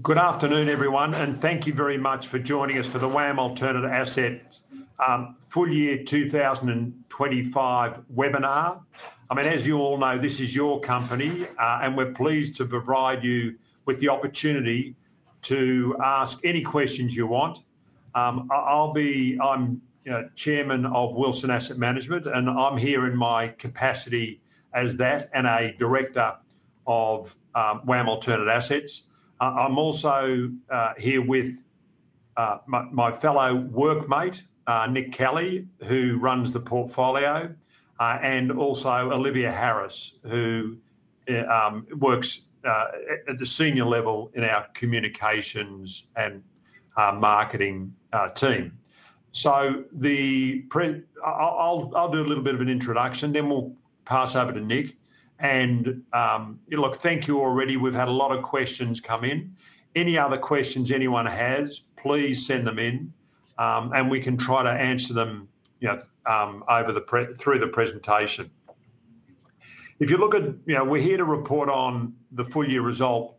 Good afternoon, everyone, and thank you very much for joining us for the WAM Alternative Assets full-year 2025 webinar. As you all know, this is your company, and we're pleased to provide you with the opportunity to ask any questions you want. I'm chairman of Wilson Asset Management, and I'm here in my capacity as that and a Director of WAM Alternative Assets. I'm also here with my fellow workmate, Nick Kelly, who runs the portfolio, and also Olivia Harris, who works at the Senior level in our Communications and Marketing team. I'll do a little bit of an introduction, then we'll pass over to Nick. Thank you already. We've had a lot of questions come in. Any other questions anyone has, please send them in, and we can try to answer them through the presentation. We're here to report on the full-year result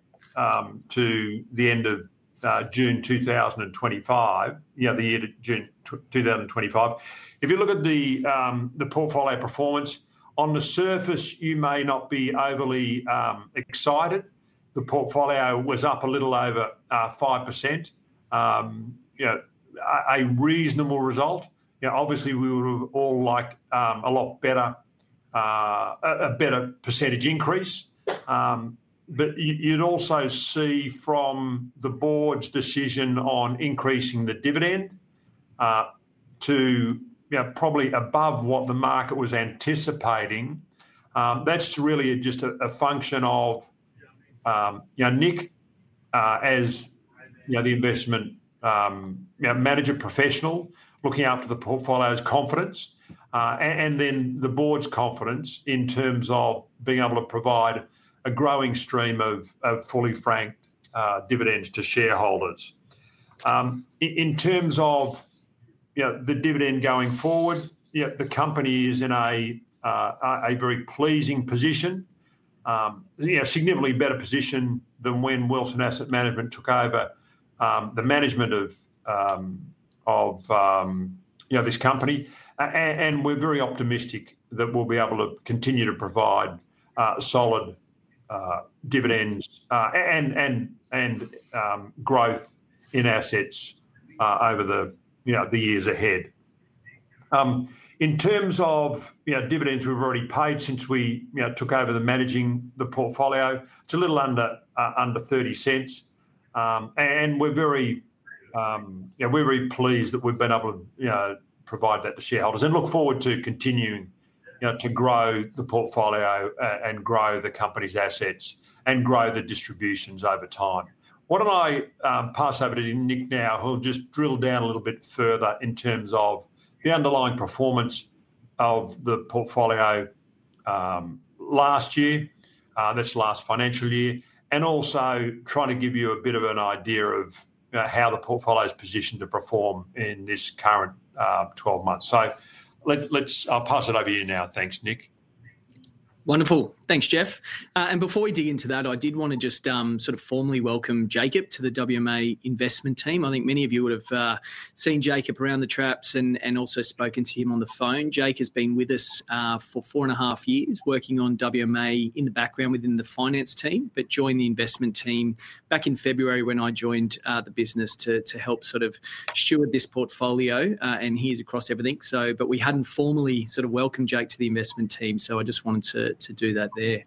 to the end of June 2025, the year to June 2025. If you look at the portfolio performance, on the surface, you may not be overly excited. The portfolio was up a little over 5%, a reasonable result. Obviously, we would have all liked a lot better, a better percentage increase. You'd also see from the board's decision on increasing the dividend to probably above what the market was anticipating. That's really just a function of Nick, as the investment manager professional looking after the portfolio's confidence, and then the board's confidence in terms of being able to provide a growing stream of fully franked dividends to shareholders. In terms of the dividend going forward, the company is in a very pleasing position, a significantly better position than when Wilson Asset Management took over the management of this company. We're very optimistic that we'll be able to continue to provide solid dividends and growth in assets over the years ahead. In terms of dividends we've already paid since we took over managing the portfolio, it's a little under $0.30, and we're very pleased that we've been able to provide that to shareholders and look forward to continuing to grow the portfolio and grow the company's assets and grow the distributions over time. Why don't I pass over to Nick now, who'll just drill down a little bit further in terms of the underlying performance of the portfolio last year, this last financial year, and also trying to give you a bit of an idea of how the portfolio is positioned to perform in this current 12 months. Let's pass it over to you now. Thanks, Nick. Wonderful. Thanks, Geoff. Before we dig into that, I did want to just formally welcome Jacob to the WAM Alternative Assets investment team. I think many of you would have seen Jacob around the traps and also spoken to him on the phone. Jacob has been with us for four and a half years, working on WAM Alternative Assets in the background within the finance team, but joined the investment team back in February when I joined the business to help steward this portfolio, and he's across everything. We hadn't formally welcomed Jacob to the investment team, so I just wanted to do that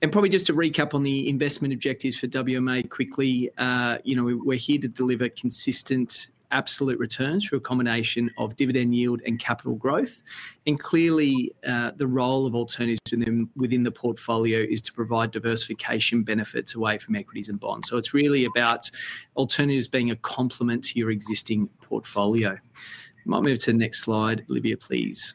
there. Probably just to recap on the investment objectives for WAM Alternative Assets quickly, we're here to deliver consistent absolute returns through a combination of dividend yield and capital growth. Clearly, the role of alternatives within the portfolio is to provide diversification benefits away from equities and bonds. It's really about alternatives being a complement to your existing portfolio. I might move to the next slide, Olivia, please.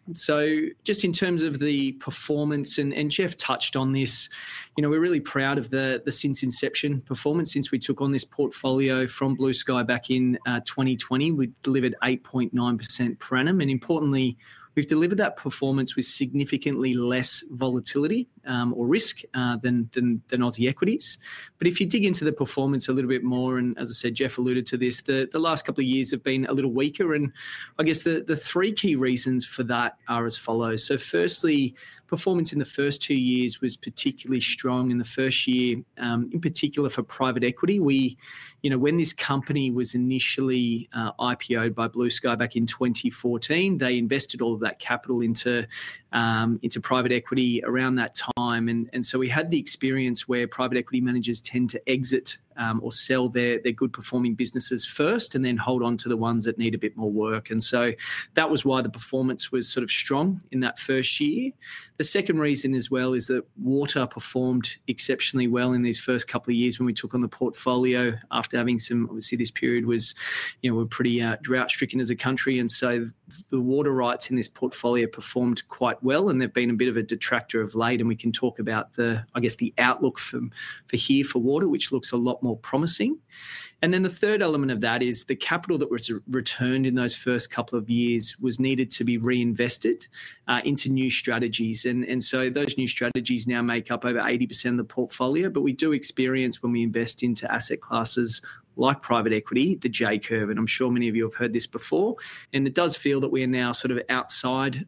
Just in terms of the performance, and Geoff touched on this, we're really proud of the since inception performance since we took on this portfolio from Blue Sky Alternative Investments back in 2020. We delivered 8.9% per annum, and importantly, we've delivered that performance with significantly less volatility or risk than Aussie equities. If you dig into the performance a little bit more, as I said, Geoff alluded to this, the last couple of years have been a little weaker, and I guess the three key reasons for that are as follows. Firstly, performance in the first two years was particularly strong in the first year, in particular for private equity. When this company was initially IPO'd by Blue Sky Alternative Investments back in 2014, they invested all of that capital into private equity around that time. We had the experience where private equity managers tend to exit, or sell their good performing businesses first and then hold on to the ones that need a bit more work. That was why the performance was strong in that first year. The second reason is that water performed exceptionally well in these first couple of years when we took on the portfolio after having some, obviously, this period was, you know, we were pretty drought-stricken as a country. The water rights in this portfolio performed quite well, and they've been a bit of a detractor of late. We can talk about the outlook for water, which looks a lot more promising. The third element of that is the capital that was returned in those first couple of years was needed to be reinvested into new strategies. Those new strategies now make up over 80% of the portfolio. We do experience, when we invest into asset classes like private equity, the J-curve, and I'm sure many of you have heard this before. It does feel that we are now sort of outside,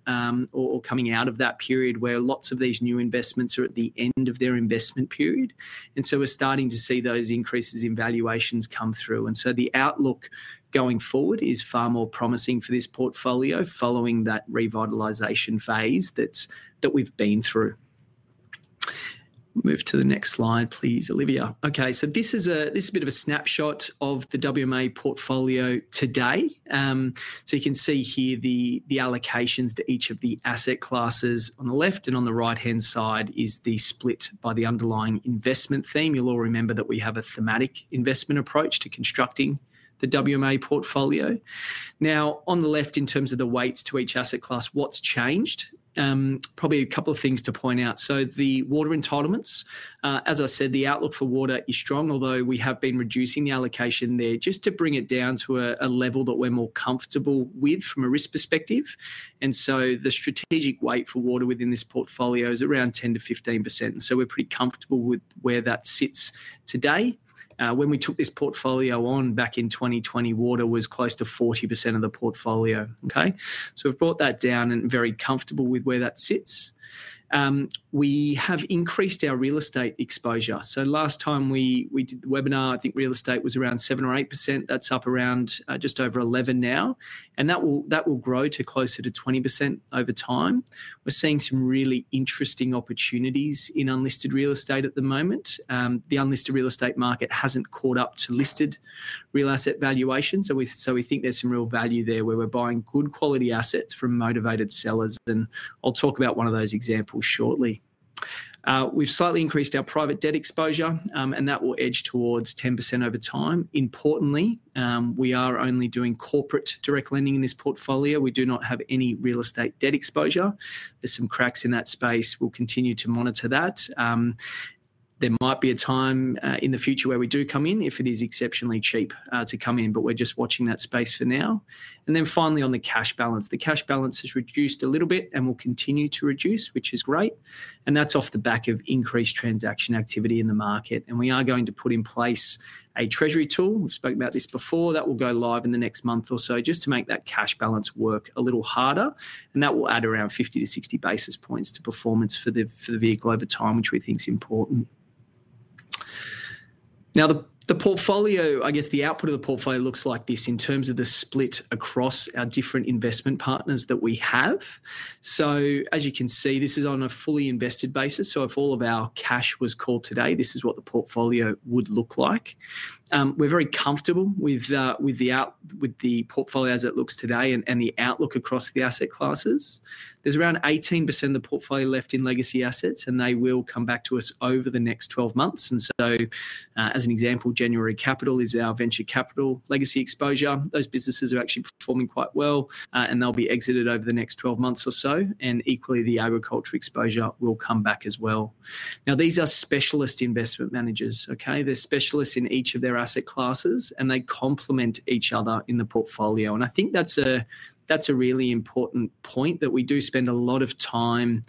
or coming out of that period where lots of these new investments are at the end of their investment period. We're starting to see those increases in valuations come through. The outlook going forward is far more promising for this portfolio following that revitalization phase that we've been through. Move to the next slide, please, Olivia. This is a bit of a snapshot of the WAM Alternative Assets portfolio today. You can see here the allocations to each of the asset classes on the left, and on the right-hand side is the split by the underlying investment theme. You'll all remember that we have a thematic investment approach to constructing the WAM Alternative Assets portfolio. On the left, in terms of the weights to each asset class, what's changed? Probably a couple of things to point out. The water entitlements, as I said, the outlook for water is strong, although we have been reducing the allocation there just to bring it down to a level that we're more comfortable with from a risk perspective. The strategic weight for water within this portfolio is around 10% to 15%. We're pretty comfortable with where that sits today. When we took this portfolio on back in 2020, water was close to 40% of the portfolio. We've brought that down and are very comfortable with where that sits. We have increased our real estate exposure. Last time we did the webinar, I think real estate was around 7% or 8%. That's up around just over 11% now, and that will grow to closer to 20% over time. We're seeing some really interesting opportunities in unlisted real estate at the moment. The unlisted real estate market hasn't caught up to listed real asset valuation. We think there's some real value there where we're buying good quality assets from motivated sellers. I'll talk about one of those examples shortly. We've slightly increased our private debt exposure, and that will edge towards 10% over time. Importantly, we are only doing corporate direct lending in this portfolio. We do not have any real estate debt exposure. There are some cracks in that space. We will continue to monitor that. There might be a time in the future where we do come in if it is exceptionally cheap to come in, but we're just watching that space for now. Finally, on the cash balance, the cash balance has reduced a little bit and will continue to reduce, which is great. That is off the back of increased transaction activity in the market. We are going to put in place a treasury tool. We've spoken about this before. That will go live in the next month or so just to make that cash balance work a little harder. That will add around 50 to 60 basis points to performance for the vehicle over time, which we think is important. Now, the portfolio, I guess the output of the portfolio looks like this in terms of the split across our different investment partners that we have. As you can see, this is on a fully invested basis. If all of our cash was called today, this is what the portfolio would look like. We're very comfortable with the portfolio as it looks today and the outlook across the asset classes. There is around 18% of the portfolio left in legacy assets, and they will come back to us over the next 12 months. As an example, January Capital is our venture capital legacy exposure. Those businesses are actually performing quite well, and they'll be exited over the next 12 months or so. Equally, the agriculture exposure will come back as well. These are specialist investment managers. They are specialists in each of their asset classes, and they complement each other in the portfolio. I think that's a really important point that we do spend a lot of time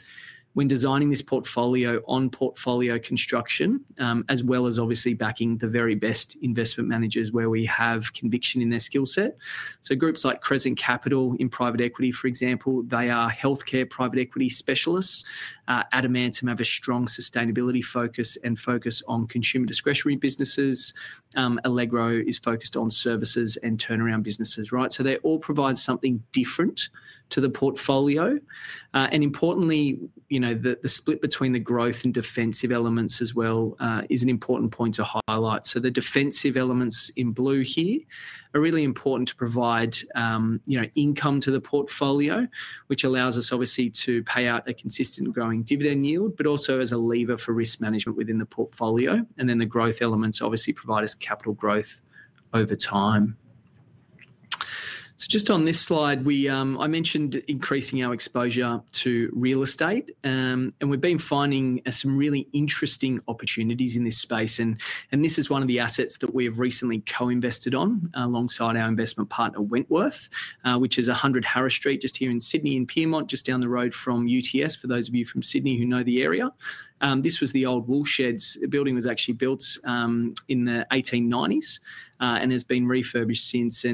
when designing this portfolio on portfolio construction, as well as obviously backing the very best investment managers where we have conviction in their skill set. Groups like Crescent Capital in private equity, for example, are healthcare private equity specialists. Adamantem Capital has a strong sustainability focus and focus on consumer discretionary businesses. Allegro Funds is focused on services and turnaround businesses, right? They all provide something different to the portfolio. Importantly, the split between the growth and defensive elements as well is an important point to highlight. The defensive elements in blue here are really important to provide income to the portfolio, which allows us obviously to pay out a consistent, growing dividend yield, but also as a lever for risk management within the portfolio. The growth elements obviously provide us capital growth over time. Just on this slide, I mentioned increasing our exposure to real estate, and we've been finding some really interesting opportunities in this space. This is one of the assets that we have recently co-invested on alongside our investment partner, Wentworth, which is 100 Harris Street, just here in Sydney in Pyrmont, just down the road from UTS. For those of you from Sydney who know the area, this was the old wool sheds. The building was actually built in the 1890s and has been refurbished since.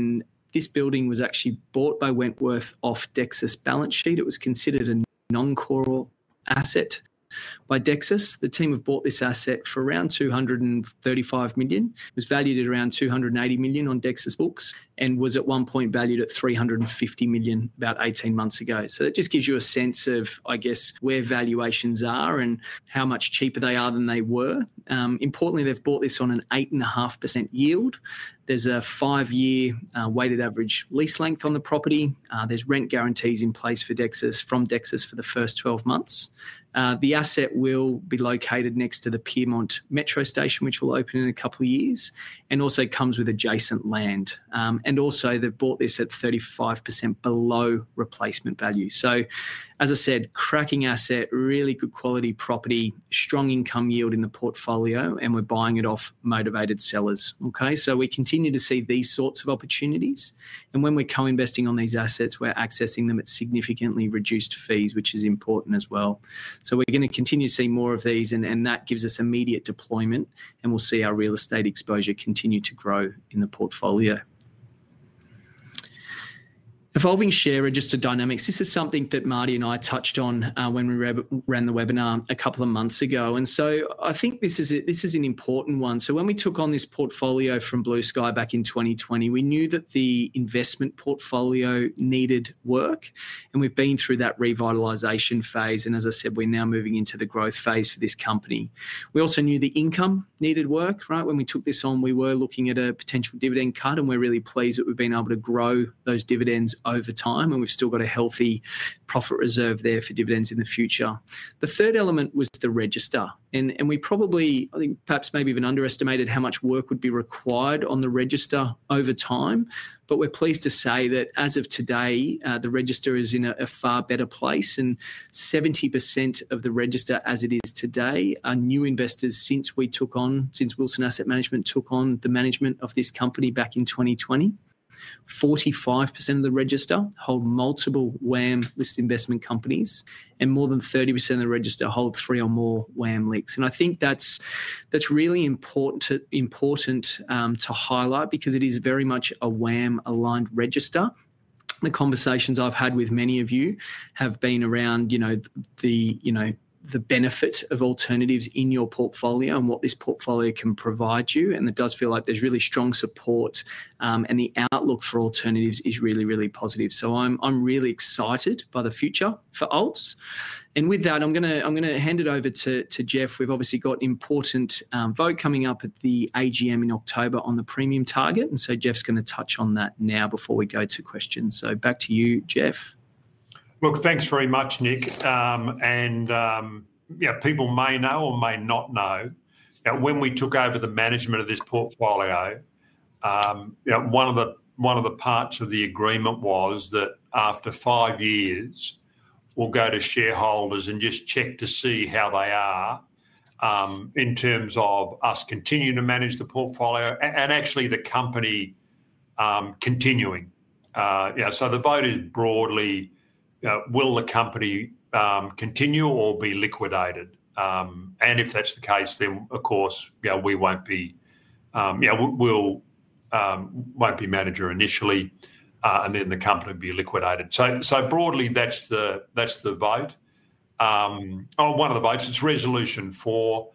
This building was actually bought by Wentworth off DEXUS balance sheet. It was considered a non-core asset by DEXUS. The team have bought this asset for around $235 million. It was valued at around $280 million on DEXUS books and was at one point valued at $350 million about 18 months ago. That just gives you a sense of where valuations are and how much cheaper they are than they were. Importantly, they've bought this on an 8.5% yield. There's a five-year weighted average lease length on the property. There are rent guarantees in place from DEXUS for the first 12 months. The asset will be located next to the Pyrmont Metro Station, which will open in a couple of years, and also comes with adjacent land. They've bought this at 35% below replacement value. As I said, cracking asset, really good quality property, strong income yield in the portfolio, and we're buying it off motivated sellers. We continue to see these sorts of opportunities. When we're co-investing on these assets, we're accessing them at significantly reduced fees, which is important as well. We're going to continue to see more of these, and that gives us immediate deployment, and we'll see our real estate exposure continue to grow in the portfolio. Evolving share register dynamics. This is something that Marty and I touched on when we ran the webinar a couple of months ago. I think this is an important one. When we took on this portfolio from Blue Sky Alternative Investments back in 2020, we knew that the investment portfolio needed work, and we've been through that revitalization phase. As I said, we're now moving into the growth phase for this company. We also knew the income needed work, right? When we took this on, we were looking at a potential dividend cut, and we're really pleased that we've been able to grow those dividends over time, and we've still got a healthy profit reserve there for dividends in the future. The third element was the register. We probably, I think, perhaps even underestimated how much work would be required on the register over time. We're pleased to say that as of today, the register is in a far better place. 70% of the register as it is today are new investors since Wilson Asset Management took on the management of this company back in 2020. 45% of the register hold multiple WAM listed investment companies, and more than 30% of the register hold three or more WAM LICs. I think that's really important to highlight because it is very much a WAM-aligned register. The conversations I've had with many of you have been around the benefit of alternatives in your portfolio and what this portfolio can provide you. It does feel like there's really strong support, and the outlook for alternatives is really, really positive. I'm really excited by the future for Alts. With that, I'm going to hand it over to Geoff. We've obviously got an important vote coming up at the AGM in October on the premium target. Geoff's going to touch on that now before we go to questions. Back to you, Geoff. Look, thanks very much, Nick. People may know or may not know that when we took over the management of this portfolio, one of the parts of the agreement was that after five years, we'll go to shareholders and just check to see how they are in terms of us continuing to manage the portfolio and actually the company continuing. The vote is broadly, will the company continue or be liquidated? If that's the case, then of course, we won't be manager initially, and then the company will be liquidated. Broadly, that's the vote. One of the votes is resolution four,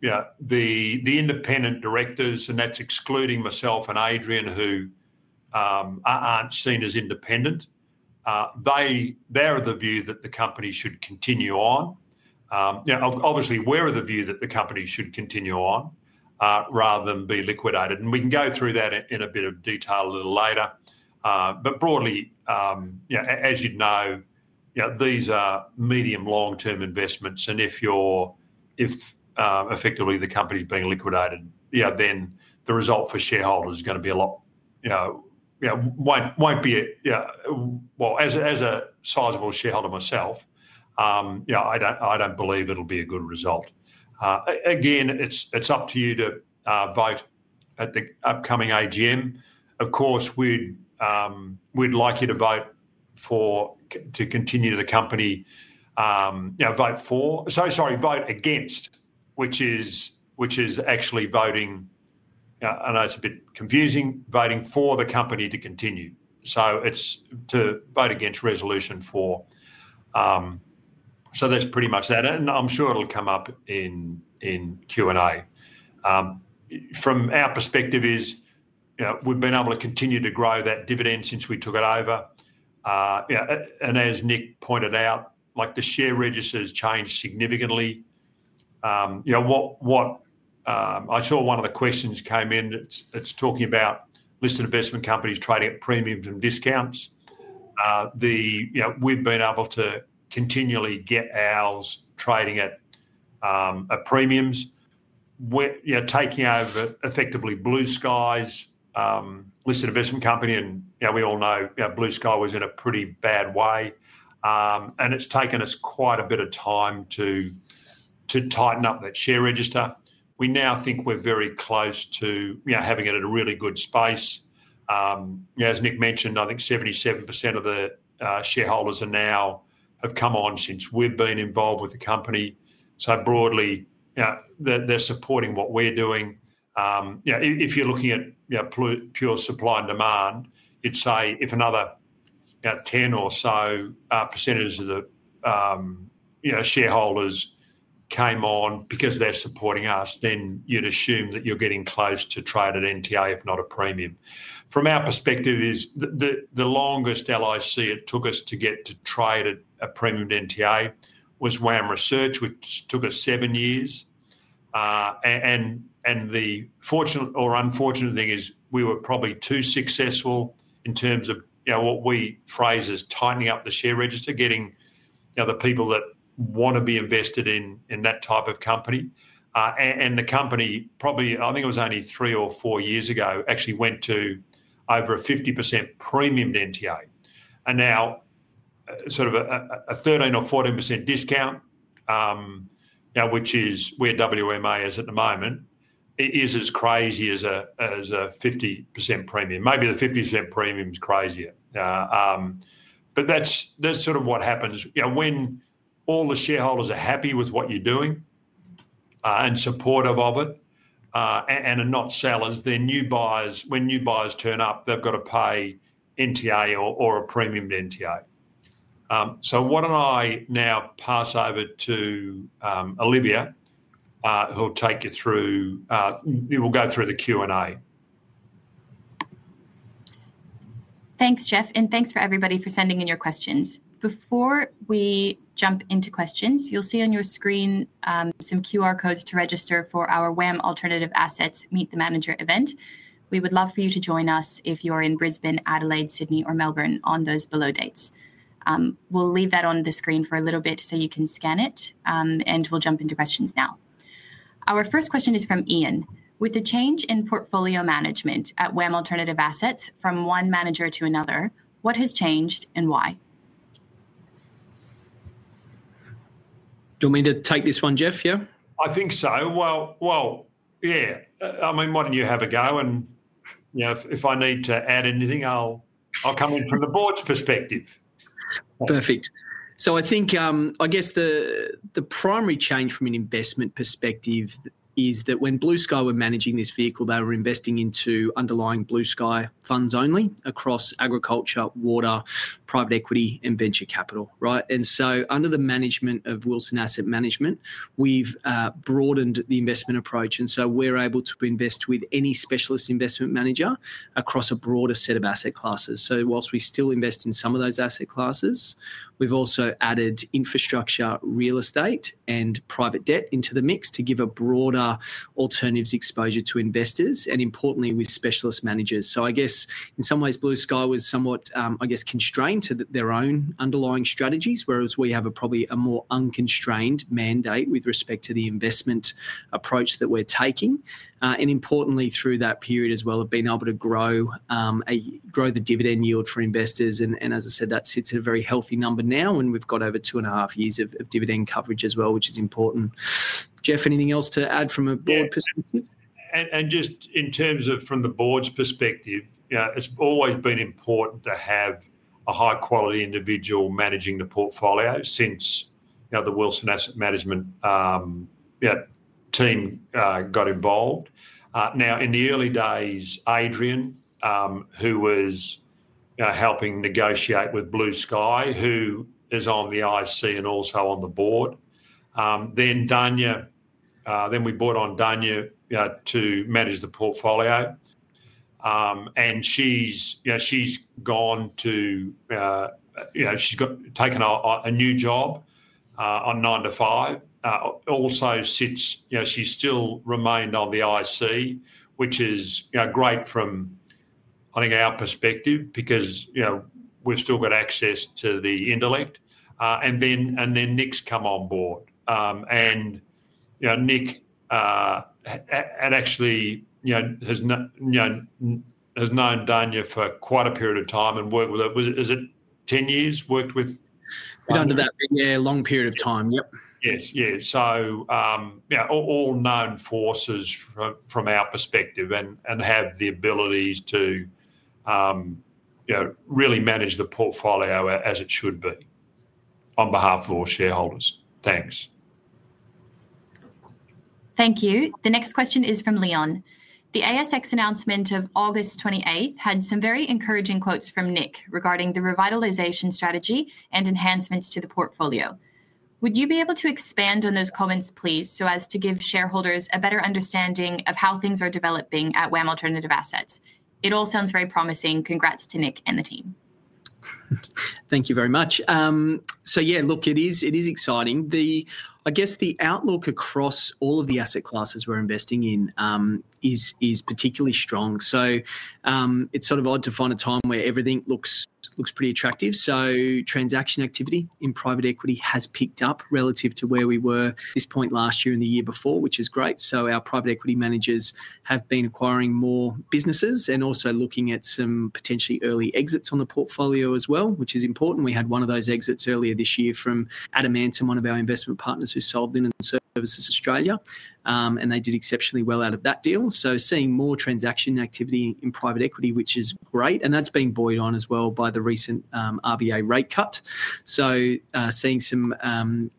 the independent directors, and that's excluding myself and Adrian, who aren't seen as independent. They are of the view that the company should continue on. Obviously, we're of the view that the company should continue on rather than be liquidated. We can go through that in a bit of detail a little later. Broadly, as you know, these are medium-long-term investments. If effectively the company's being liquidated, then the result for shareholders is going to be a lot, you know, as a sizable shareholder myself, I don't believe it'll be a good result. Again, it's up to you to vote at the upcoming AGM. Of course, we'd like you to vote for, to continue the company, vote for, so sorry, vote against, which is actually voting for the company to continue. It's to vote against resolution four. That's pretty much that. I'm sure it'll come up in Q&A. From our perspective, we've been able to continue to grow that dividend since we took it over. As Nick pointed out, the share register has changed significantly. I saw one of the questions came in. It's talking about listed investment companies trading at premiums and discounts. We've been able to continually get ours trading at premiums, taking over effectively Blue Sky Alternative Investments' listed investment company. We all know Blue Sky Alternative Investments was in a pretty bad way. It's taken us quite a bit of time to tighten up that share register. We now think we're very close to having it in a really good space. As Nick mentioned, I think 77% of the shareholders are now, have come on since we've been involved with the company. Broadly, they're supporting what we're doing. Yeah, if you're looking at, you know, pure supply and demand, you'd say if another, you know, 10% or so of the, you know, shareholders came on because they're supporting us, then you'd assume that you're getting close to trade at NTA, if not a premium. From our perspective, the longest LIC it took us to get to trade at a premium NTA was WAM Research, which took us seven years. The fortunate or unfortunate thing is we were probably too successful in terms of, you know, what we phrase as tightening up the share register, getting, you know, the people that want to be invested in that type of company. The company probably, I think it was only three or four years ago, actually went to over a 50% premium NTA. Now, sort of a 13% or 14% discount, you know, which is where WAM Alternative Assets is at the moment, is as crazy as a 50% premium. Maybe the 50% premium is crazier. That's sort of what happens. You know, when all the shareholders are happy with what you're doing and supportive of it and are not sellers, then new buyers, when new buyers turn up, they've got to pay NTA or a premium NTA. Why don't I now pass over to Olivia, who'll take you through, we'll go through the Q&A. Thanks, Geoff, and thanks everybody for sending in your questions. Before we jump into questions, you'll see on your screen some QR codes to register for our WAM Alternative Assets Meet the Manager event. We would love for you to join us if you're in Brisbane, Adelaide, Sydney, or Melbourne on those below dates. We'll leave that on the screen for a little bit so you can scan it, and we'll jump into questions now. Our first question is from Ian. With the change in portfolio management at WAM Alternative Assets from one manager to another, what has changed and why? Do you want me to take this one, Geoff? Yeah. I think so. Yeah, I mean, why don't you have a go? If I need to add anything, I'll come in from the board's perspective. Perfect. I think the primary change from an investment perspective is that when Blue Sky Alternative Investments were managing this vehicle, they were investing into underlying Blue Sky funds only across agriculture, water, private equity, and venture capital. Right. Under the management of Wilson Asset Management, we've broadened the investment approach. We're able to invest with any specialist investment manager across a broader set of asset classes. Whilst we still invest in some of those asset classes, we've also added infrastructure, real estate, and private debt into the mix to give a broader alternatives exposure to investors, and importantly, with specialist managers. In some ways, Blue Sky Alternative Investments was somewhat constrained to their own underlying strategies, whereas we have a probably more unconstrained mandate with respect to the investment approach that we're taking. Importantly, through that period as well, we've been able to grow the dividend yield for investors. As I said, that sits at a very healthy number now, and we've got over two and a half years of dividend coverage as well, which is important. Geoff, anything else to add from a board perspective? In terms of from the board's perspective, it's always been important to have a high-quality individual managing the portfolio since the Wilson Asset Management team got involved. In the early days, Adrian, who was helping negotiate with Blue Sky, who is on the IC and also on the board, then we brought on Dania to manage the portfolio. She's taken a new job on nine to five. She still remained on the IC, which is great from our perspective because we've still got access to the intellect. Nick's come on board. Nick has actually known Dania for quite a period of time and worked with her. Is it 10 years worked with? We've done that, yeah, long period of time. Yep. Yes, yes. All known forces from our perspective have the abilities to really manage the portfolio as it should be on behalf of all shareholders. Thanks. Thank you. The next question is from Leon. The ASX announcement of August 28 had some very encouraging quotes from Nick regarding the revitalization strategy and enhancements to the portfolio. Would you be able to expand on those comments, please, so as to give shareholders a better understanding of how things are developing at WAM Alternative Assets? It all sounds very promising. Congrats to Nick and the team. Thank you very much. Yeah, look, it is exciting. I guess the outlook across all of the asset classes we're investing in is particularly strong. It's sort of odd to find a time where everything looks pretty attractive. Transaction activity in private equity has picked up relative to where we were at this point last year and the year before, which is great. Our private equity managers have been acquiring more businesses and also looking at some potentially early exits on the portfolio as well, which is important. We had one of those exits earlier this year from Adamantem Capital, one of our investment partners who sold in Services Australia, and they did exceptionally well out of that deal. Seeing more transaction activity in private equity, which is great, and that's been buoyed on as well by the recent RBA rate cut. Seeing some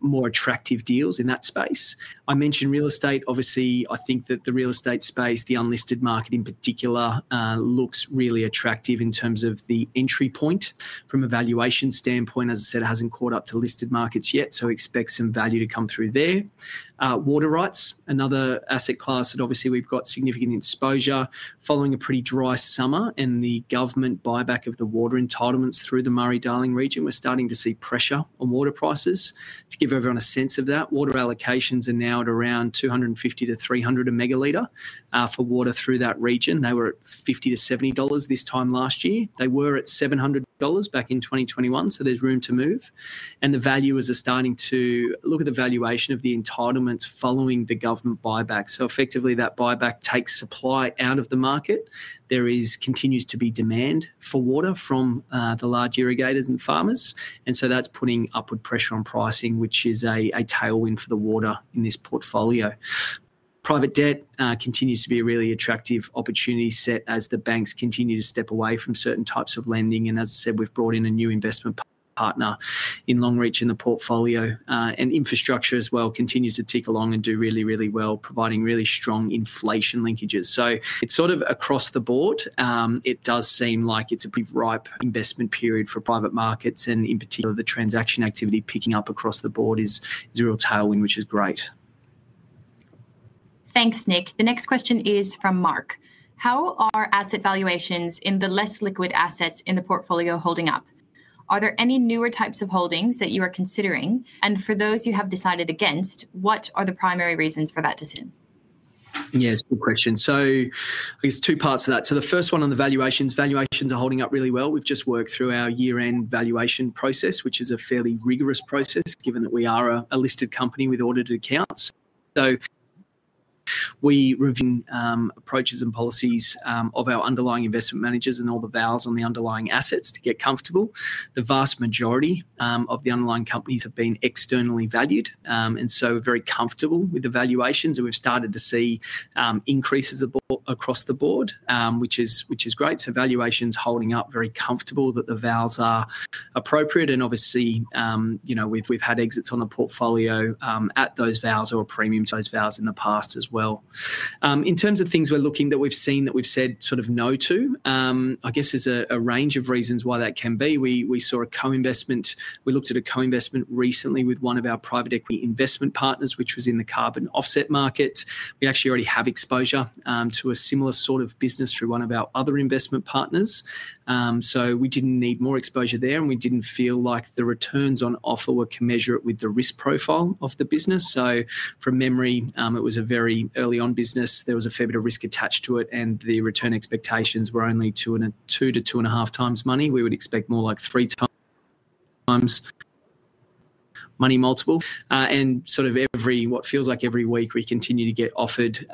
more attractive deals in that space. I mentioned real estate. Obviously, I think that the real estate space, the unlisted market in particular, looks really attractive in terms of the entry point from a valuation standpoint. As I said, it hasn't caught up to listed markets yet, so expect some value to come through there. Water rights, another asset class that obviously we've got significant exposure following a pretty dry summer and the government buyback of the water entitlements through the Murray-Darling region. We're starting to see pressure on water prices. To give everyone a sense of that, water allocations are now at around $250 to $300 a megaliter for water through that region. They were at $50 to $70 this time last year. They were at $700 back in 2021, so there's room to move. The valuers are starting to look at the valuation of the entitlements following the government buyback. Effectively, that buyback takes supply out of the market. There continues to be demand for water from the large irrigators and farmers, so that's putting upward pressure on pricing, which is a tailwind for the water in this portfolio. Private debt continues to be a really attractive opportunity set as the banks continue to step away from certain types of lending. As I said, we've brought in a new investment partner in Longreach in the portfolio. Infrastructure as well continues to tick along and do really, really well, providing really strong inflation linkages. It's sort of across the board. It does seem like it's a big ripe investment period for private markets. In particular, the transaction activity picking up across the board is a real tailwind, which is great. Thanks, Nick. The next question is from Mark. How are asset valuations in the less liquid assets in the portfolio holding up? Are there any newer types of holdings that you are considering? For those you have decided against, what are the primary reasons for that decision? Yes, good question. I guess two parts to that. The first one on the valuations. Valuations are holding up really well. We've just worked through our year-end valuation process, which is a fairly rigorous process given that we are a listed company with audited accounts. We reviewed approaches and policies of our underlying investment managers and all the valuations on the underlying assets to get comfortable. The vast majority of the underlying companies have been externally valued. We're very comfortable with the valuations, and we've started to see increases across the board, which is great. Valuations are holding up, very comfortable that the valuations are appropriate. Obviously, we've had exits on the portfolio at those valuations or premiums to those valuations in the past as well. In terms of things we're looking at that we've seen that we've said no to, I guess there's a range of reasons why that can be. We saw a co-investment. We looked at a co-investment recently with one of our private equity investment partners, which was in the carbon offset market. We actually already have exposure to a similar sort of business through one of our other investment partners, so we didn't need more exposure there. We didn't feel like the returns on offer were commensurate with the risk profile of the business. From memory, it was a very early-on business. There was a fair bit of risk attached to it, and the return expectations were only two to two and a half times money. We would expect more like three times money multiple. Every week, we continue to get offered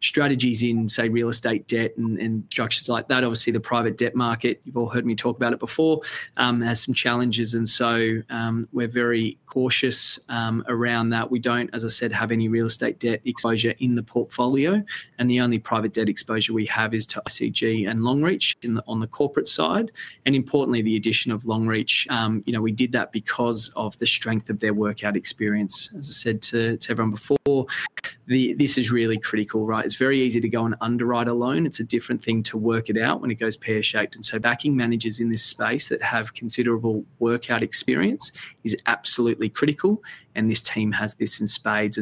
strategies in, say, real estate debt and structures like that. The private debt market, you've all heard me talk about it before, has some challenges, and we're very cautious around that. We don't, as I said, have any real estate debt exposure in the portfolio. The only private debt exposure we have is to ICG and Longreach on the corporate side. Importantly, the addition of Longreach, we did that because of the strength of their workout experience. As I said to everyone before, this is really critical, right? It's very easy to go and underwrite a loan. It's a different thing to work it out when it goes pear-shaped. Backing managers in this space that have considerable workout experience is absolutely critical, and this team has this in spades.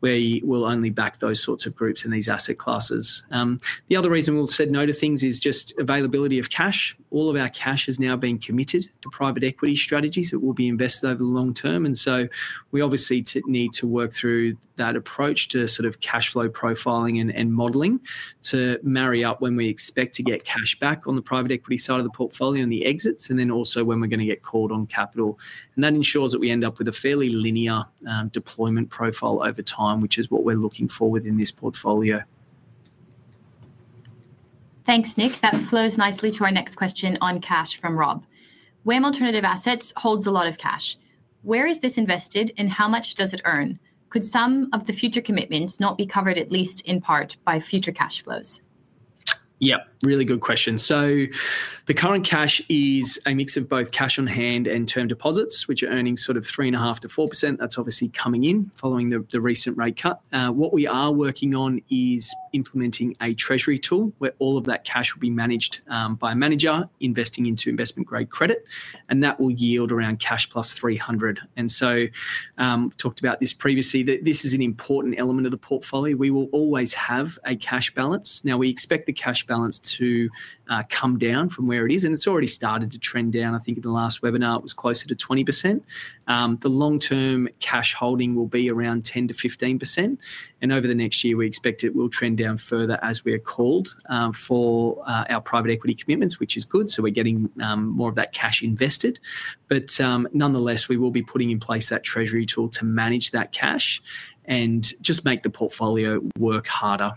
We will only back those sorts of groups and these asset classes. The other reason we've said no to things is just availability of cash. All of our cash has now been committed for private equity strategies that will be invested over the long term. We obviously need to work through that approach to sort of cash flow profiling and modeling to marry up when we expect to get cash back on the private equity side of the portfolio and the exits, and also when we're going to get called on capital. That ensures that we end up with a fairly linear deployment profile over time, which is what we're looking for within this portfolio. Thanks, Nick. That flows nicely to our next question on cash from Rob. WAM Alternative Assets holds a lot of cash. Where is this invested, and how much does it earn? Could some of the future commitments not be covered at least in part by future cash flows? Yeah, really good question. The current cash is a mix of both cash on hand and term deposits, which are earning sort of 3.5% to 4%. That's obviously coming in following the recent rate cut. What we are working on is implementing a treasury tool where all of that cash will be managed by a manager investing into investment-grade credit. That will yield around cash plus 300. We've talked about this previously that this is an important element of the portfolio. We will always have a cash balance. We expect the cash balance to come down from where it is, and it's already started to trend down. I think in the last webinar, it was closer to 20%. The long-term cash holding will be around 10% to 15%. Over the next year, we expect it will trend down further as we are called for our private equity commitments, which is good. We're getting more of that cash invested. Nonetheless, we will be putting in place that treasury tool to manage that cash and just make the portfolio work harder.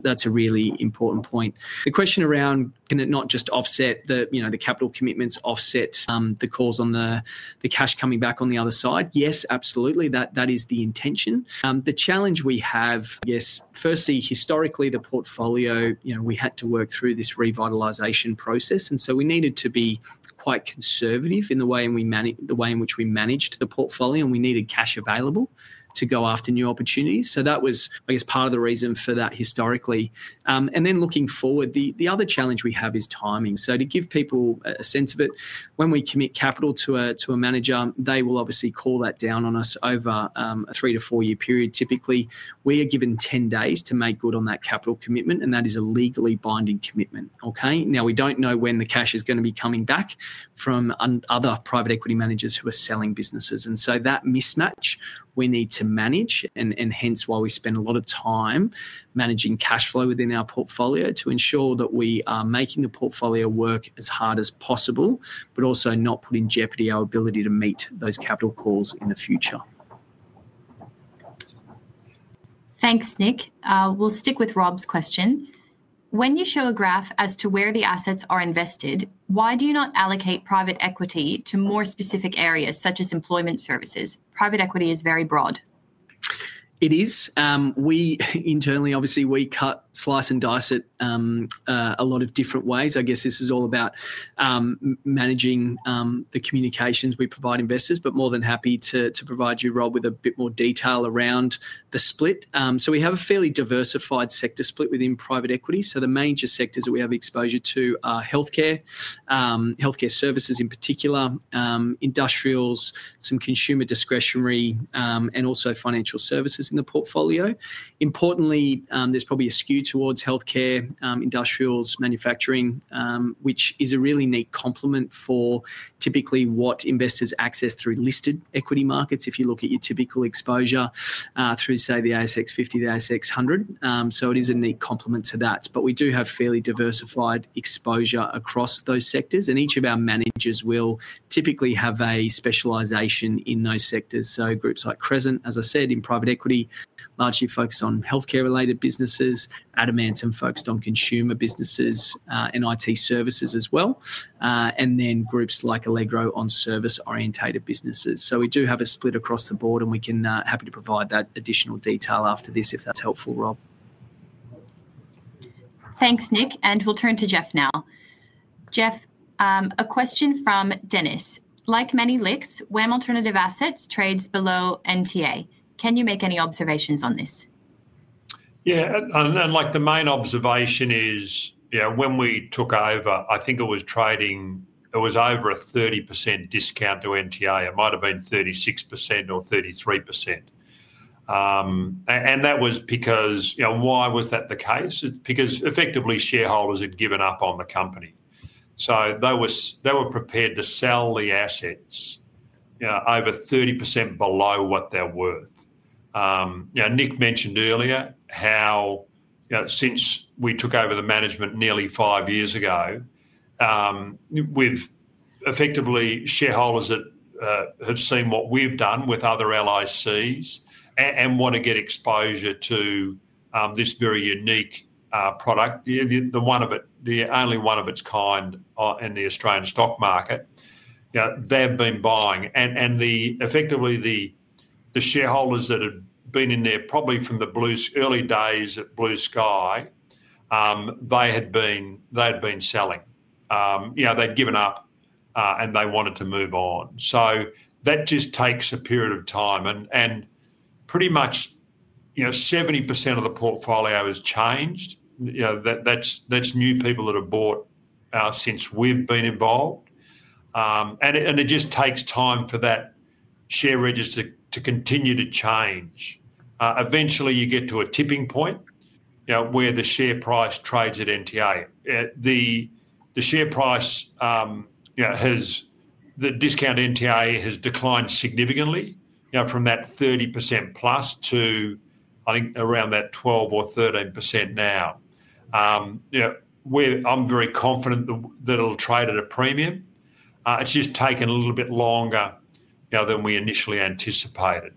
That's a really important point. The question around can it not just offset the, you know, the capital commitments offset the calls on the cash coming back on the other side? Yes, absolutely. That is the intention. The challenge we have, I guess, firstly, historically, the portfolio, you know, we had to work through this revitalization process. We needed to be quite conservative in the way in which we managed the portfolio, and we needed cash available to go after new opportunities. That was, I guess, part of the reason for that historically. Looking forward, the other challenge we have is timing. To give people a sense of it, when we commit capital to a manager, they will obviously call that down on us over a three to four-year period. Typically, we are given 10 days to make good on that capital commitment, and that is a legally binding commitment. We don't know when the cash is going to be coming back from other private equity managers who are selling businesses. That mismatch we need to manage, and hence why we spend a lot of time managing cash flow within our portfolio to ensure that we are making the portfolio work as hard as possible, but also not put in jeopardy our ability to meet those capital calls in the future. Thanks, Nick. We'll stick with Rob's question. When you show a graph as to where the assets are invested, why do you not allocate private equity to more specific areas such as employment services? Private equity is very broad. It is. We internally, obviously, cut, slice, and dice it a lot of different ways. I guess this is all about managing the communications we provide investors, but more than happy to provide you, Rob, with a bit more detail around the split. We have a fairly diversified sector split within private equity. The major sectors that we have exposure to are healthcare, healthcare services in particular, industrials, some consumer discretionary, and also financial services in the portfolio. Importantly, there's probably a skew towards healthcare, industrials, manufacturing, which is a really neat complement for typically what investors access through listed equity markets. If you look at your typical exposure through, say, the ASX 50, the ASX 100, it is a neat complement to that. We do have fairly diversified exposure across those sectors, and each of our managers will typically have a specialization in those sectors. Groups like Crescent, as I said, in private equity, largely focus on healthcare-related businesses. Adamantem Capital focused on consumer businesses and IT services as well. Groups like Allegro Funds on service-orientated businesses. We do have a split across the board, and we can happily provide that additional detail after this if that's helpful, Rob. Thanks, Nick. We'll turn to Geoff now. Geoff, a question from Dennis. Like many LICs, WAM Alternative Assets trades below NTA. Can you make any observations on this? Yeah, the main observation is, when we took over, I think it was trading, it was over a 30% discount to NTA. It might have been 36% or 33%. That was because, you know, why was that the case? Because effectively shareholders had given up on the company. They were prepared to sell the assets over 30% below what they're worth. Nick mentioned earlier how, since we took over the management nearly five years ago, with effectively shareholders that have seen what we've done with other LICs and want to get exposure to this very unique product, the one of it, the only one of its kind in the Australian stock market, they've been buying. Effectively, the shareholders that had been in there probably from the early days at Blue Sky, they had been selling. They'd given up and they wanted to move on. That just takes a period of time. Pretty much 70% of the portfolio has changed. That's new people that have bought since we've been involved. It just takes time for that share register to continue to change. Eventually, you get to a tipping point where the share price trades at NTA. The share price, the discount to NTA has declined significantly from that 30% plus to, I think, around that 12 or 13% now. I'm very confident that it'll trade at a premium. It's just taken a little bit longer now than we initially anticipated.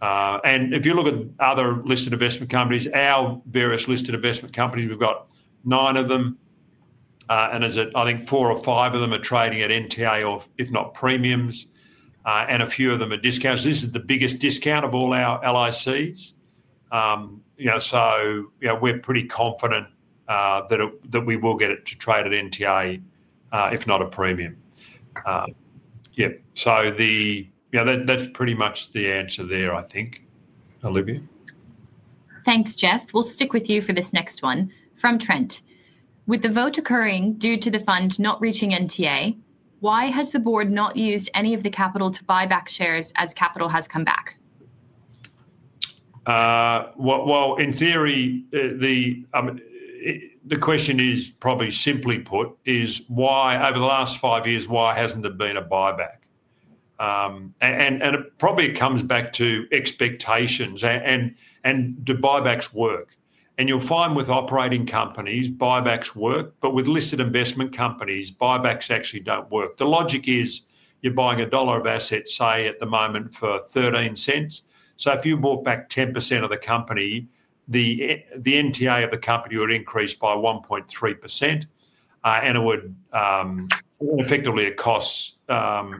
If you look at other listed investment companies, our various listed investment companies, we've got nine of them. I think four or five of them are trading at NTA or if not premiums, and a few of them are discounts. This is the biggest discount of all our LICs. We're pretty confident that we will get it to trade at NTA if not a premium. That's pretty much the answer there, I think. Olivia. Thanks, Geoff. We'll stick with you for this next one from Trent. With the vote occurring due to the fund not reaching NTA, why has the board not used any of the capital to buy back shares as capital has come back? The question is probably simply put: why over the last five years, why hasn't there been a buyback? It probably comes back to expectations. Do buybacks work? You'll find with operating companies, buybacks work, but with listed investment companies, buybacks actually don't work. The logic is you're buying a dollar of assets, say at the moment for $0.13. If you bought back 10% of the company, the NTA of the company would increase by 1.3%. It would effectively cost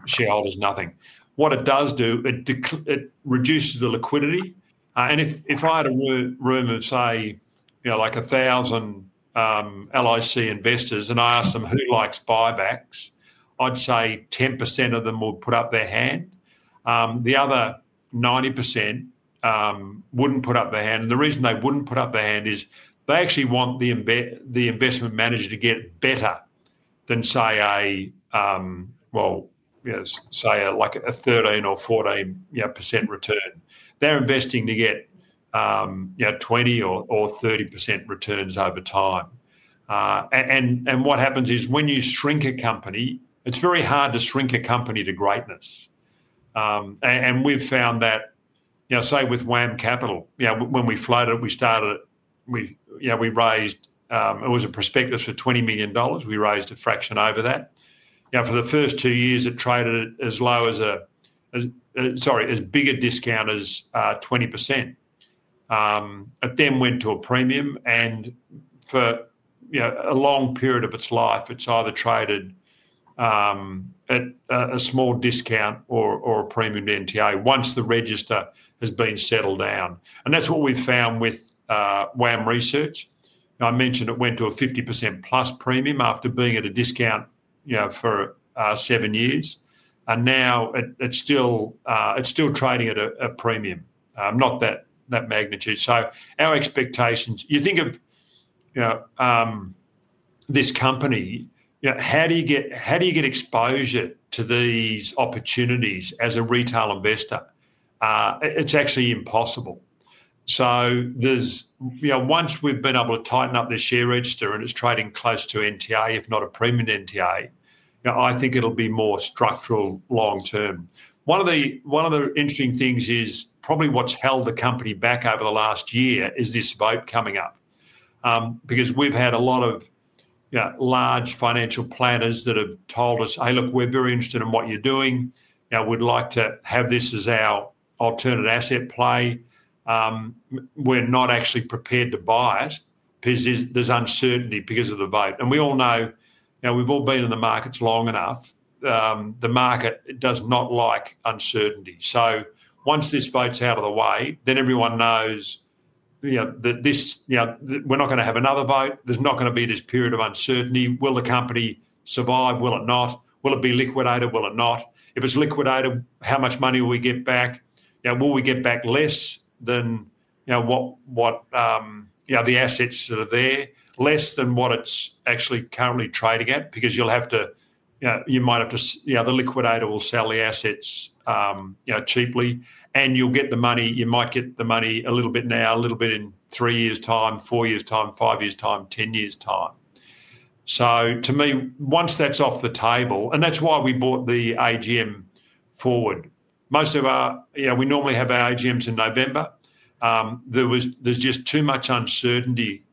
shareholders nothing. What it does do is reduce the liquidity. If I had a room of, say, a thousand LIC investors and I asked them who likes buybacks, I'd say 10% of them would put up their hand. The other 90% wouldn't put up their hand. The reason they wouldn't put up their hand is they actually want the investment manager to get better than, say, a 13% or 14% return. They're investing to get 20% or 30% returns over time. What happens is when you shrink a company, it's very hard to shrink a company to greatness. We've found that, say, with WAM Capital, when we floated it, we started it, we raised, it was a prospectus for $20 million. We raised a fraction over that. For the first two years, it traded as low as a, sorry, as big a discount as 20%. It then went to a premium. For a long period of its life, it's either traded at a small discount or a premium NTA once the register has been settled down. That's what we've found with WAM Research. I mentioned it went to a 50% plus premium after being at a discount for seven years. Now it's still trading at a premium, not that magnitude. Our expectations, you think of this company, how do you get exposure to these opportunities as a retail investor? It's actually impossible. Once we've been able to tighten up this share register and it's trading close to NTA, if not a premium NTA, I think it'll be more structural long term. One of the interesting things is probably what's held the company back over the last year is this vote coming up. We've had a lot of large financial planners that have told us, "Hey, look, we're very interested in what you're doing." You know, we'd like to have this as our alternative asset play. We're not actually prepared to buy it because there's uncertainty because of the vote. We all know, we've all been in the markets long enough. The market does not like uncertainty. Once this vote's out of the way, then everyone knows that we're not going to have another vote. There's not going to be this period of uncertainty. Will the company survive? Will it not? Will it be liquidated? Will it not? If it's liquidated, how much money will we get back? Will we get back less than the assets that are there, less than what it's actually currently trading at? You might have to, the liquidator will sell the assets cheaply. You'll get the money, you might get the money a little bit now, a little bit in three years' time, four years' time, five years' time, ten years' time. To me, once that's off the table, and that's why we brought the AGM forward. We normally have our AGMs in November. There was just too much uncertainty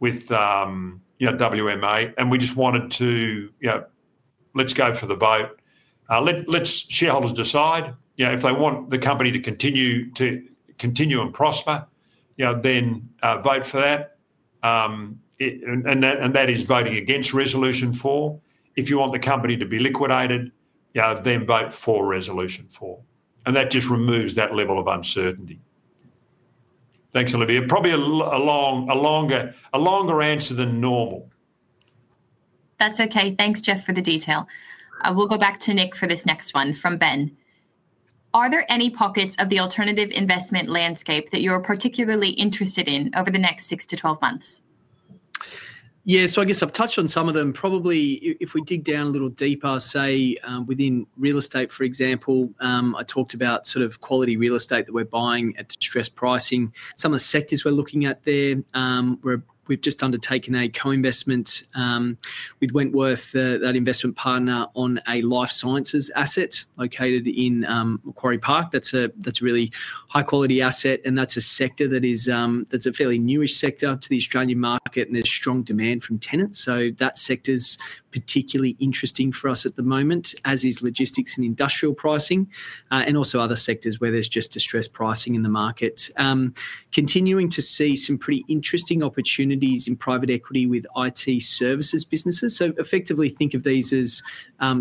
with WAM Alternative Assets, and we just wanted to go for the vote. Let shareholders decide if they want the company to continue and prosper, then vote for that. That is voting against resolution four. If you want the company to be liquidated, then vote for resolution four. That just removes that level of uncertainty. Thanks, Olivia. Probably a longer answer than normal. That's okay. Thanks, Geoff, for the detail. We'll go back to Nick for this next one from Ben. Are there any pockets of the alternative investment landscape that you're particularly interested in over the next six to 12 months? Yeah, so I guess I've touched on some of them. Probably if we dig down a little deeper, say within real estate, for example, I talked about sort of quality real estate that we're buying at distressed pricing. Some of the sectors we're looking at there, we've just undertaken a co-investment with Wentworth, that investment partner, on a life sciences asset located in Quarry Park. That's a really high-quality asset, and that's a sector that is a fairly newish sector to the Australian market, and there's strong demand from tenants. That sector's particularly interesting for us at the moment, as is logistics and industrial pricing, and also other sectors where there's just distressed pricing in the market. We're continuing to see some pretty interesting opportunities in private equity with IT services businesses. Effectively, think of these as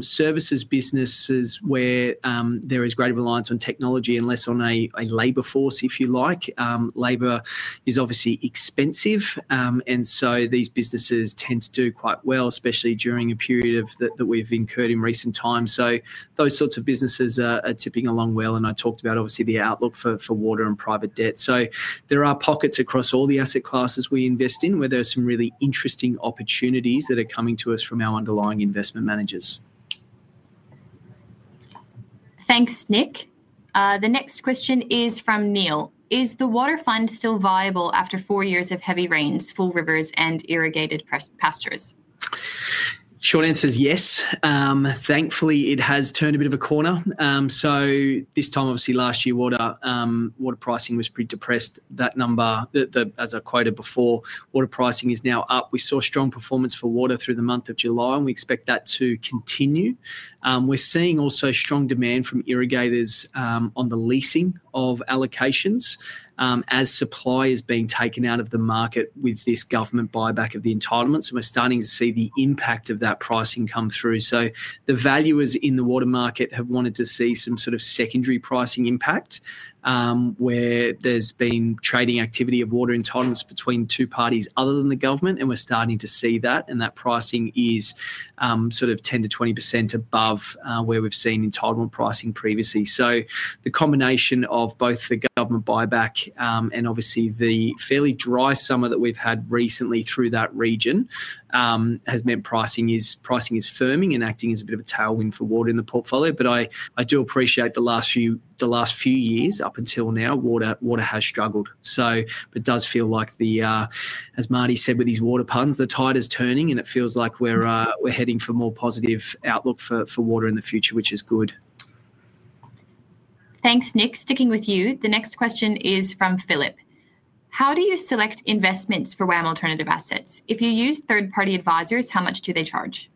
services businesses where there is greater reliance on technology and less on a labor force, if you like. Labor is obviously expensive, and these businesses tend to do quite well, especially during a period that we've incurred in recent times. Those sorts of businesses are tipping along well. I talked about obviously the outlook for water and private debt. There are pockets across all the asset classes we invest in where there are some really interesting opportunities that are coming to us from our underlying investment managers. Thanks, Nick. The next question is from Neil. Is the water fund still viable after four years of heavy rains, full rivers, and irrigated pastures? Short answer is yes. Thankfully, it has turned a bit of a corner. This time, obviously last year, water pricing was pretty depressed. That number, as I quoted before, water pricing is now up. We saw strong performance for water through the month of July, and we expect that to continue. We're seeing also strong demand from irrigators on the leasing of allocations as supply is being taken out of the market with this government buyback of the entitlements. We're starting to see the impact of that pricing come through. The valuers in the water market have wanted to see some sort of secondary pricing impact where there's been trading activity of water entitlements between two parties other than the government. We're starting to see that, and that pricing is sort of 10% to 20% above where we've seen entitlement pricing previously. The combination of both the government buyback and obviously the fairly dry summer that we've had recently through that region has meant pricing is firming and acting as a bit of a tailwind for water in the portfolio. I do appreciate the last few years up until now, water has struggled. It does feel like, as Marty said, with these water ponds, the tide is turning and it feels like we're heading for a more positive outlook for water in the future, which is good. Thanks, Nick. Sticking with you, the next question is from Philip. How do you select investments for WAM Alternative Assets? If you use third-party advisors, how much do they charge?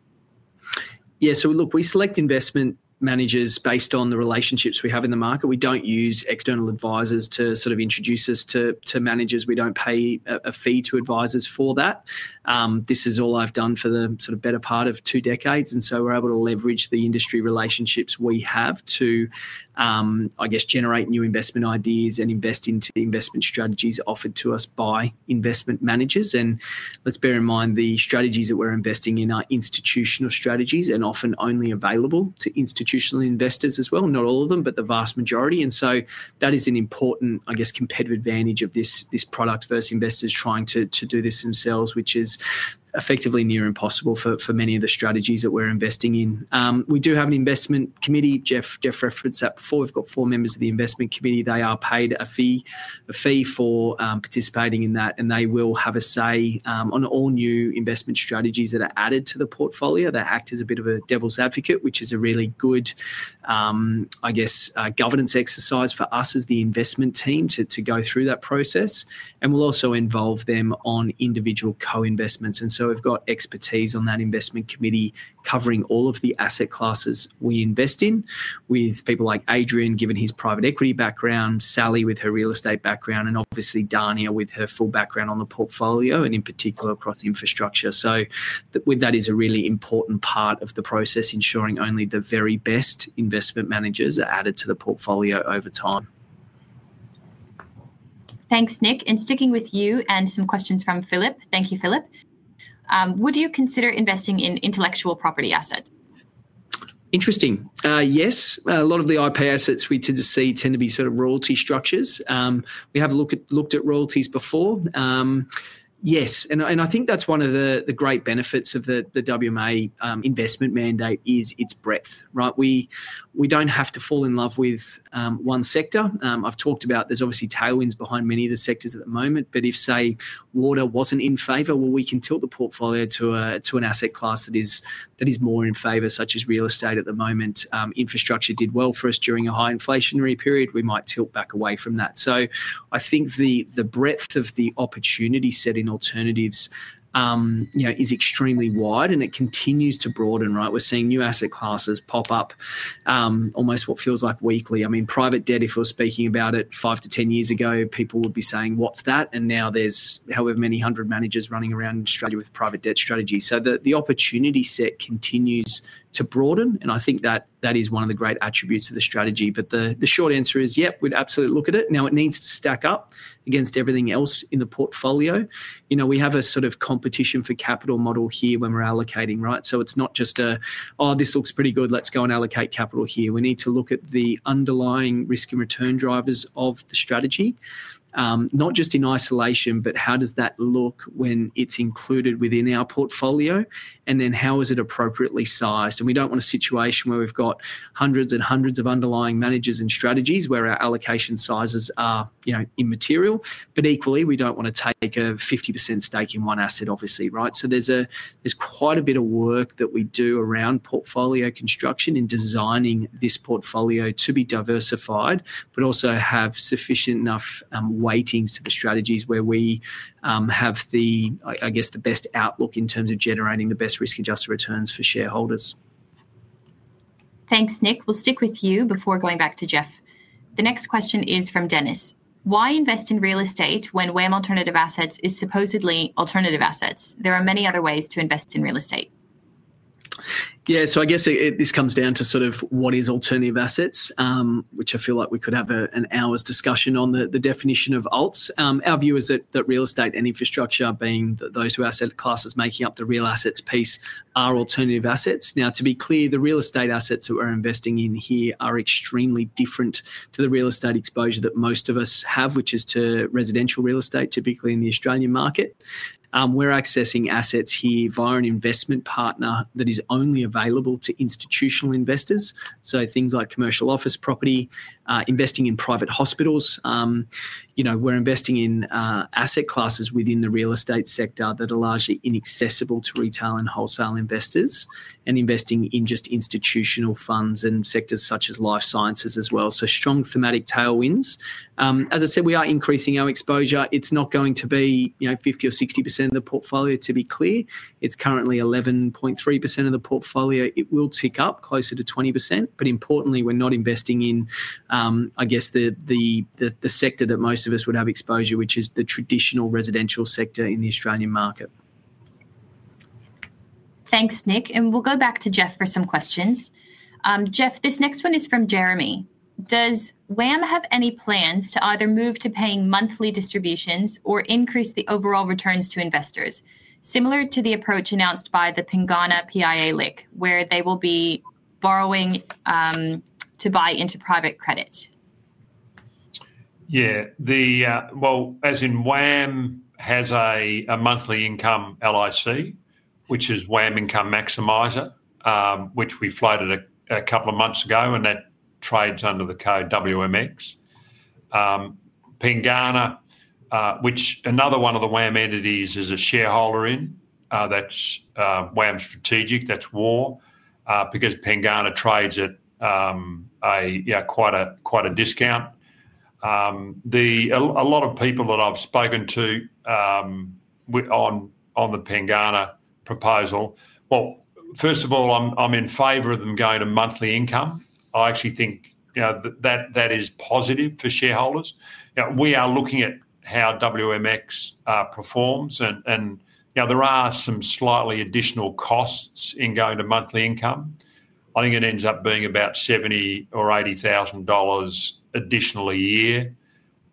Yeah, so look, we select investment managers based on the relationships we have in the market. We don't use external advisors to sort of introduce us to managers. We don't pay a fee to advisors for that. This is all I've done for the better part of two decades. We're able to leverage the industry relationships we have to, I guess, generate new investment ideas and invest into investment strategies offered to us by investment managers. Let's bear in mind the strategies that we're investing in are institutional strategies and often only available to institutional investors as well, not all of them, but the vast majority. That is an important, I guess, competitive advantage of this product versus investors trying to do this themselves, which is effectively near impossible for many of the strategies that we're investing in. We do have an investment committee. Geoff referenced that before. We've got four members of the investment committee. They are paid a fee for participating in that. They will have a say on all new investment strategies that are added to the portfolio. They act as a bit of a devil's advocate, which is a really good, I guess, governance exercise for us as the investment team to go through that process. We'll also involve them on individual co-investments. We've got expertise on that investment committee covering all of the asset classes we invest in with people like Adrian, given his private equity background, Sally with her real estate background, and obviously Dania with her full background on the portfolio and in particular across infrastructure. That is a really important part of the process, ensuring only the very best investment managers are added to the portfolio over time. Thanks, Nick. Sticking with you and some questions from Philip. Thank you, Philip. Would you consider investing in intellectual property assets? Interesting. Yes. A lot of the IP assets we tend to see tend to be sort of royalty structures. We have looked at royalties before. Yes. I think that's one of the great benefits of the WAM Alternative Assets investment mandate is its breadth. We don't have to fall in love with one sector. I've talked about there's obviously tailwinds behind many of the sectors at the moment. If, say, water wasn't in favor, we can tilt the portfolio to an asset class that is more in favor, such as real estate at the moment. Infrastructure did well for us during a high inflationary period. We might tilt back away from that. I think the breadth of the opportunity set in alternatives is extremely wide and it continues to broaden. We're seeing new asset classes pop up almost what feels like weekly. I mean, private debt, if we're speaking about it five to ten years ago, people would be saying, "What's that?" Now there's however many hundred managers running around in Australia with private debt strategies. The opportunity set continues to broaden. I think that that is one of the great attributes of the strategy. The short answer is, yep, we'd absolutely look at it. Now it needs to stack up against everything else in the portfolio. We have a sort of competition for capital model here when we're allocating, right? It's not just a, "Oh, this looks pretty good. Let's go and allocate capital here." We need to look at the underlying risk and return drivers of the strategy, not just in isolation, but how does that look when it's included within our portfolio? Then how is it appropriately sized? We don't want a situation where we've got hundreds and hundreds of underlying managers and strategies where our allocation sizes are, you know, immaterial. Equally, we don't want to take a 50% stake in one asset, obviously, right? There's quite a bit of work that we do around portfolio construction in designing this portfolio to be diversified, but also have sufficient enough weightings to the strategies where we have the, I guess, the best outlook in terms of generating the best risk adjusted returns for shareholders. Thanks, Nick. We'll stick with you before going back to Geoff. The next question is from Dennis. Why invest in real estate when WAM Alternative Assets is supposedly alternative assets? There are many other ways to invest in real estate. Yeah, so I guess this comes down to sort of what is alternative assets, which I feel like we could have an hour's discussion on the definition of alts. Our view is that real estate and infrastructure, being those who are asset classes making up the real assets piece, are alternative assets. Now, to be clear, the real estate assets that we're investing in here are extremely different to the real estate exposure that most of us have, which is to residential real estate, typically in the Australian market. We're accessing assets here via an investment partner that is only available to institutional investors. Things like commercial office property, investing in private hospitals. We're investing in asset classes within the real estate sector that are largely inaccessible to retail and wholesale investors and investing in just institutional funds and sectors such as life sciences as well. Strong thematic tailwinds. As I said, we are increasing our exposure. It's not going to be, you know, 50% or 60% of the portfolio, to be clear. It's currently 11.3% of the portfolio. It will tick up closer to 20%. Importantly, we're not investing in, I guess, the sector that most of us would have exposure, which is the traditional residential sector in the Australian market. Thanks, Nick. We'll go back to Geoff for some questions. Geoff, this next one is from Jeremy. Does WAM Alternative Assets have any plans to either move to paying monthly distributions or increase the overall returns to investors, similar to the approach announced by the Pengana PIA LIC, where they will be borrowing to buy into private credit? Yeah, as in WAM has a monthly income LIC, which is WAM Income Maximizer, which we floated a couple of months ago, and that trades under the code WMX. Pengana, which another one of the WAM entities is a shareholder in, that's WAM Strategic, that's WAR, because Pengana trades at quite a discount. A lot of people that I've spoken to on the Pengana proposal, first of all, I'm in favor of them going to monthly income. I actually think that is positive for shareholders. We are looking at how WMX performs, and there are some slightly additional costs in going to monthly income. I think it ends up being about $70,000 or $80,000 additional a year,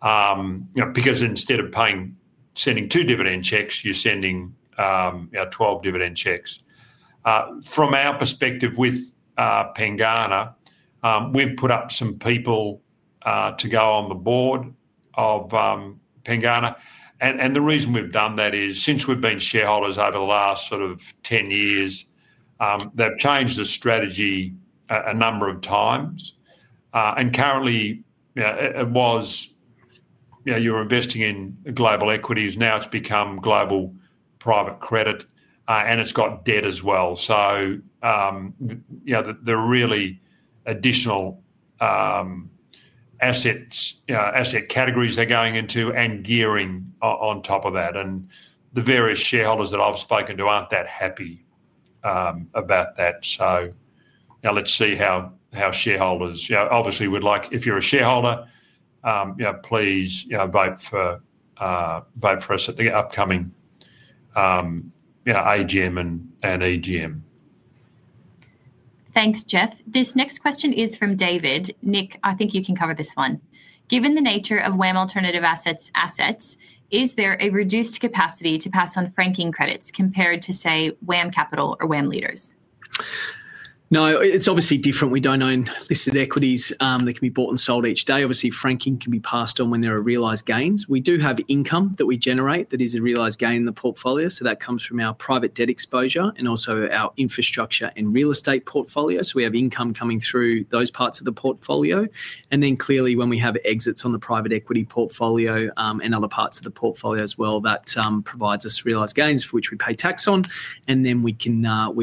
because instead of sending two dividend checks, you're sending 12 dividend checks. From our perspective with Pengana, we've put up some people to go on the board of Pengana. The reason we've done that is since we've been shareholders over the last sort of 10 years, they've changed the strategy a number of times. Currently, it was, you're investing in global equities. Now it's become global private credit, and it's got debt as well. The really additional asset categories they're going into and gearing on top of that. The various shareholders that I've spoken to aren't that happy about that. Let's see how shareholders, obviously would like, if you're a shareholder, please, you know, vote for us at the upcoming AGM and AGM. Thanks, Geoff. This next question is from David. Nick, I think you can cover this one. Given the nature of WAM Alternative Assets assets, is there a reduced capacity to pass on franking credits compared to, say, WAM Capital or WAM Leaders? No, it's obviously different. We don't own listed equities that can be bought and sold each day. Obviously, franking can be passed on when there are realized gains. We do have income that we generate that is a realized gain in the portfolio. That comes from our private debt exposure and also our infrastructure and real estate portfolios. We have income coming through those parts of the portfolio. Clearly, when we have exits on the private equity portfolio and other parts of the portfolio as well, that provides us realized gains, which we pay tax on. We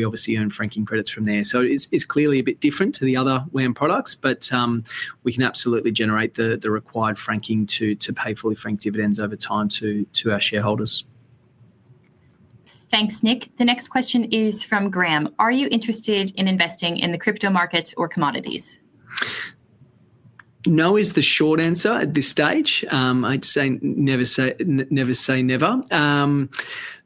obviously earn franking credits from there. It's clearly a bit different to the other WAM products, but we can absolutely generate the required franking to pay fully franked dividends over time to our shareholders. Thanks, Nick. The next question is from Graham. Are you interested in investing in the crypto markets or commodities? No, is the short answer at this stage. I'd say never say never.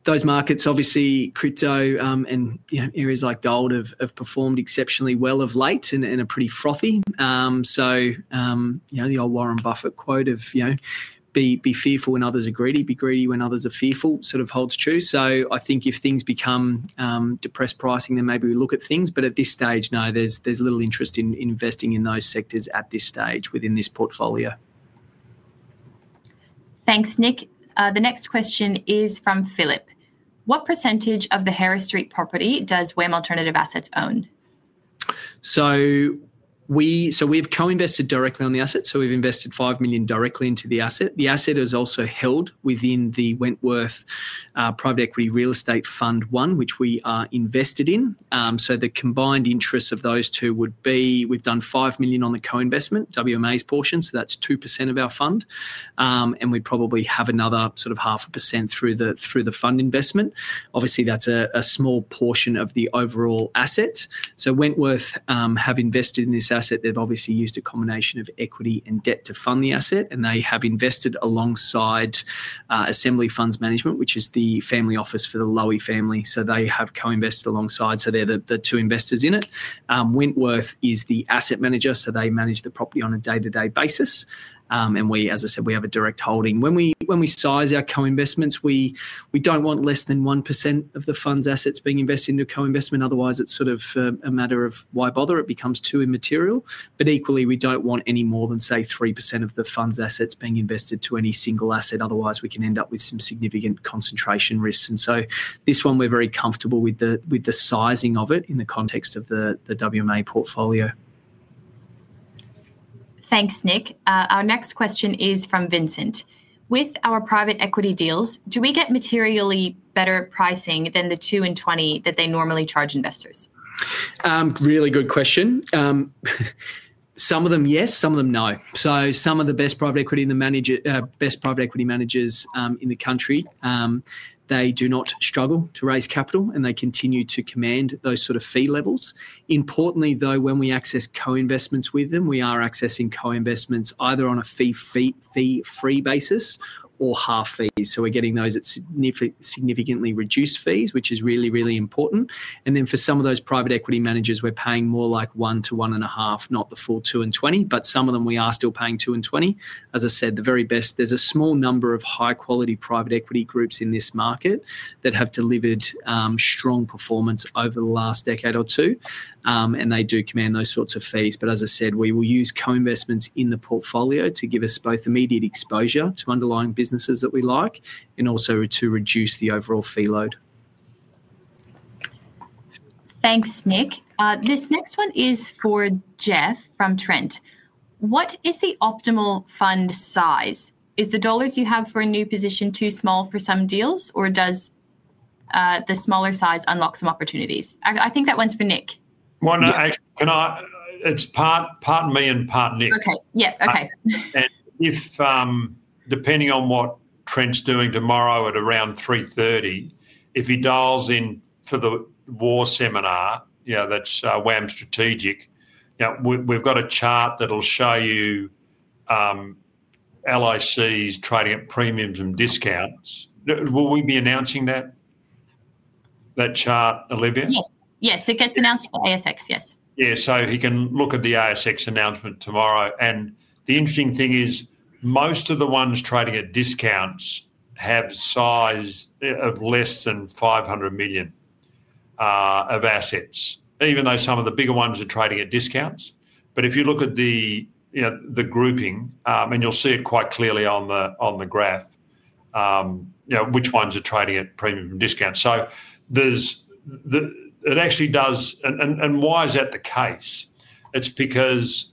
Those markets, obviously, crypto and areas like gold have performed exceptionally well of late and are pretty frothy. The old Warren Buffett quote of, you know, be fearful when others are greedy, be greedy when others are fearful sort of holds true. I think if things become depressed pricing, then maybe we look at things. At this stage, no, there's little interest in investing in those sectors at this stage within this portfolio. Thanks, Nick. The next question is from Philip. What % of the 100 Harris Street property does WAM Alternative Assets own? We've co-invested directly on the asset. We've invested $5 million directly into the asset. The asset is also held within the Wentworth Private Equity Real Estate Fund 1, which we are invested in. The combined interest of those two would be, we've done $5 million on the co-investment, WMA's portion. That's 2% of our fund, and we probably have another sort of 0.5% through the fund investment. Obviously, that's a small portion of the overall asset. Wentworth have invested in this asset. They've obviously used a combination of equity and debt to fund the asset, and they have invested alongside Assembly Funds Management, which is the family office for the Lowey family. They have co-invested alongside. They're the two investors in it. Wentworth is the asset manager. They manage the property on a day-to-day basis, and we, as I said, we have a direct holding. When we size our co-investments, we don't want less than 1% of the fund's assets being invested into co-investment. Otherwise, it's sort of a matter of why bother. It becomes too immaterial. Equally, we don't want any more than, say, 3% of the fund's assets being invested to any single asset. Otherwise, we can end up with some significant concentration risks. We're very comfortable with the sizing of it in the context of the WMA portfolio. Thanks, Nick. Our next question is from Vincent. With our private equity deals, do we get materially better pricing than the 2 and 20 that they normally charge investors? Really good question. Some of them, yes, some of them, no. Some of the best private equity managers in the country do not struggle to raise capital, and they continue to command those sort of fee levels. Importantly, when we access co-investments with them, we are accessing co-investments either on a fee-free basis or half fees. We're getting those at significantly reduced fees, which is really, really important. For some of those private equity managers, we're paying more like 1 to 1.5, not the full 2 and 20, but some of them we are still paying 2 and 20. As I said, the very best, there's a small number of high-quality private equity groups in this market that have delivered strong performance over the last decade or two, and they do command those sorts of fees. As I said, we will use co-investments in the portfolio to give us both immediate exposure to underlying businesses that we like and also to reduce the overall fee load. Thanks, Nick. This next one is for Geoff from Trent. What is the optimal fund size? Is the dollars you have for a new position too small for some deals, or does the smaller size unlock some opportunities? I think that one's for Nick. It's part of me and part Nick. Okay. Yeah. Okay. Depending on what Trent's doing tomorrow at around 3:30 P.M., if he dials in for the WAR seminar, you know, that's WAM Strategic. We've got a chart that'll show you LICs trading at premiums and discounts. Will we be announcing that chart, Olivia? Yes, it gets announced at the ASX. Yes. Yeah, so he can look at the ASX announcement tomorrow. The interesting thing is most of the ones trading at discounts have a size of less than $500 million of assets, even though some of the bigger ones are trading at discounts. If you look at the grouping, you'll see it quite clearly on the graph, which ones are trading at premium and discounts. It actually does, and why is that the case? It's because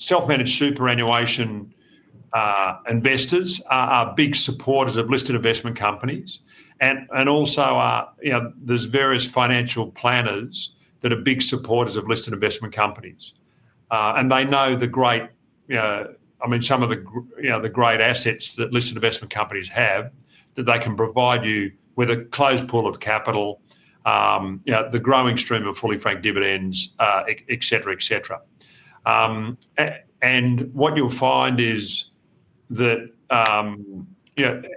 self-managed superannuation investors are big supporters of listed investment companies. Also, there are various financial planners that are big supporters of listed investment companies. They know the great, I mean, some of the great assets that listed investment companies have that they can provide you with a closed pool of capital, the growing stream of fully franked dividends, etc., etc. What you'll find is that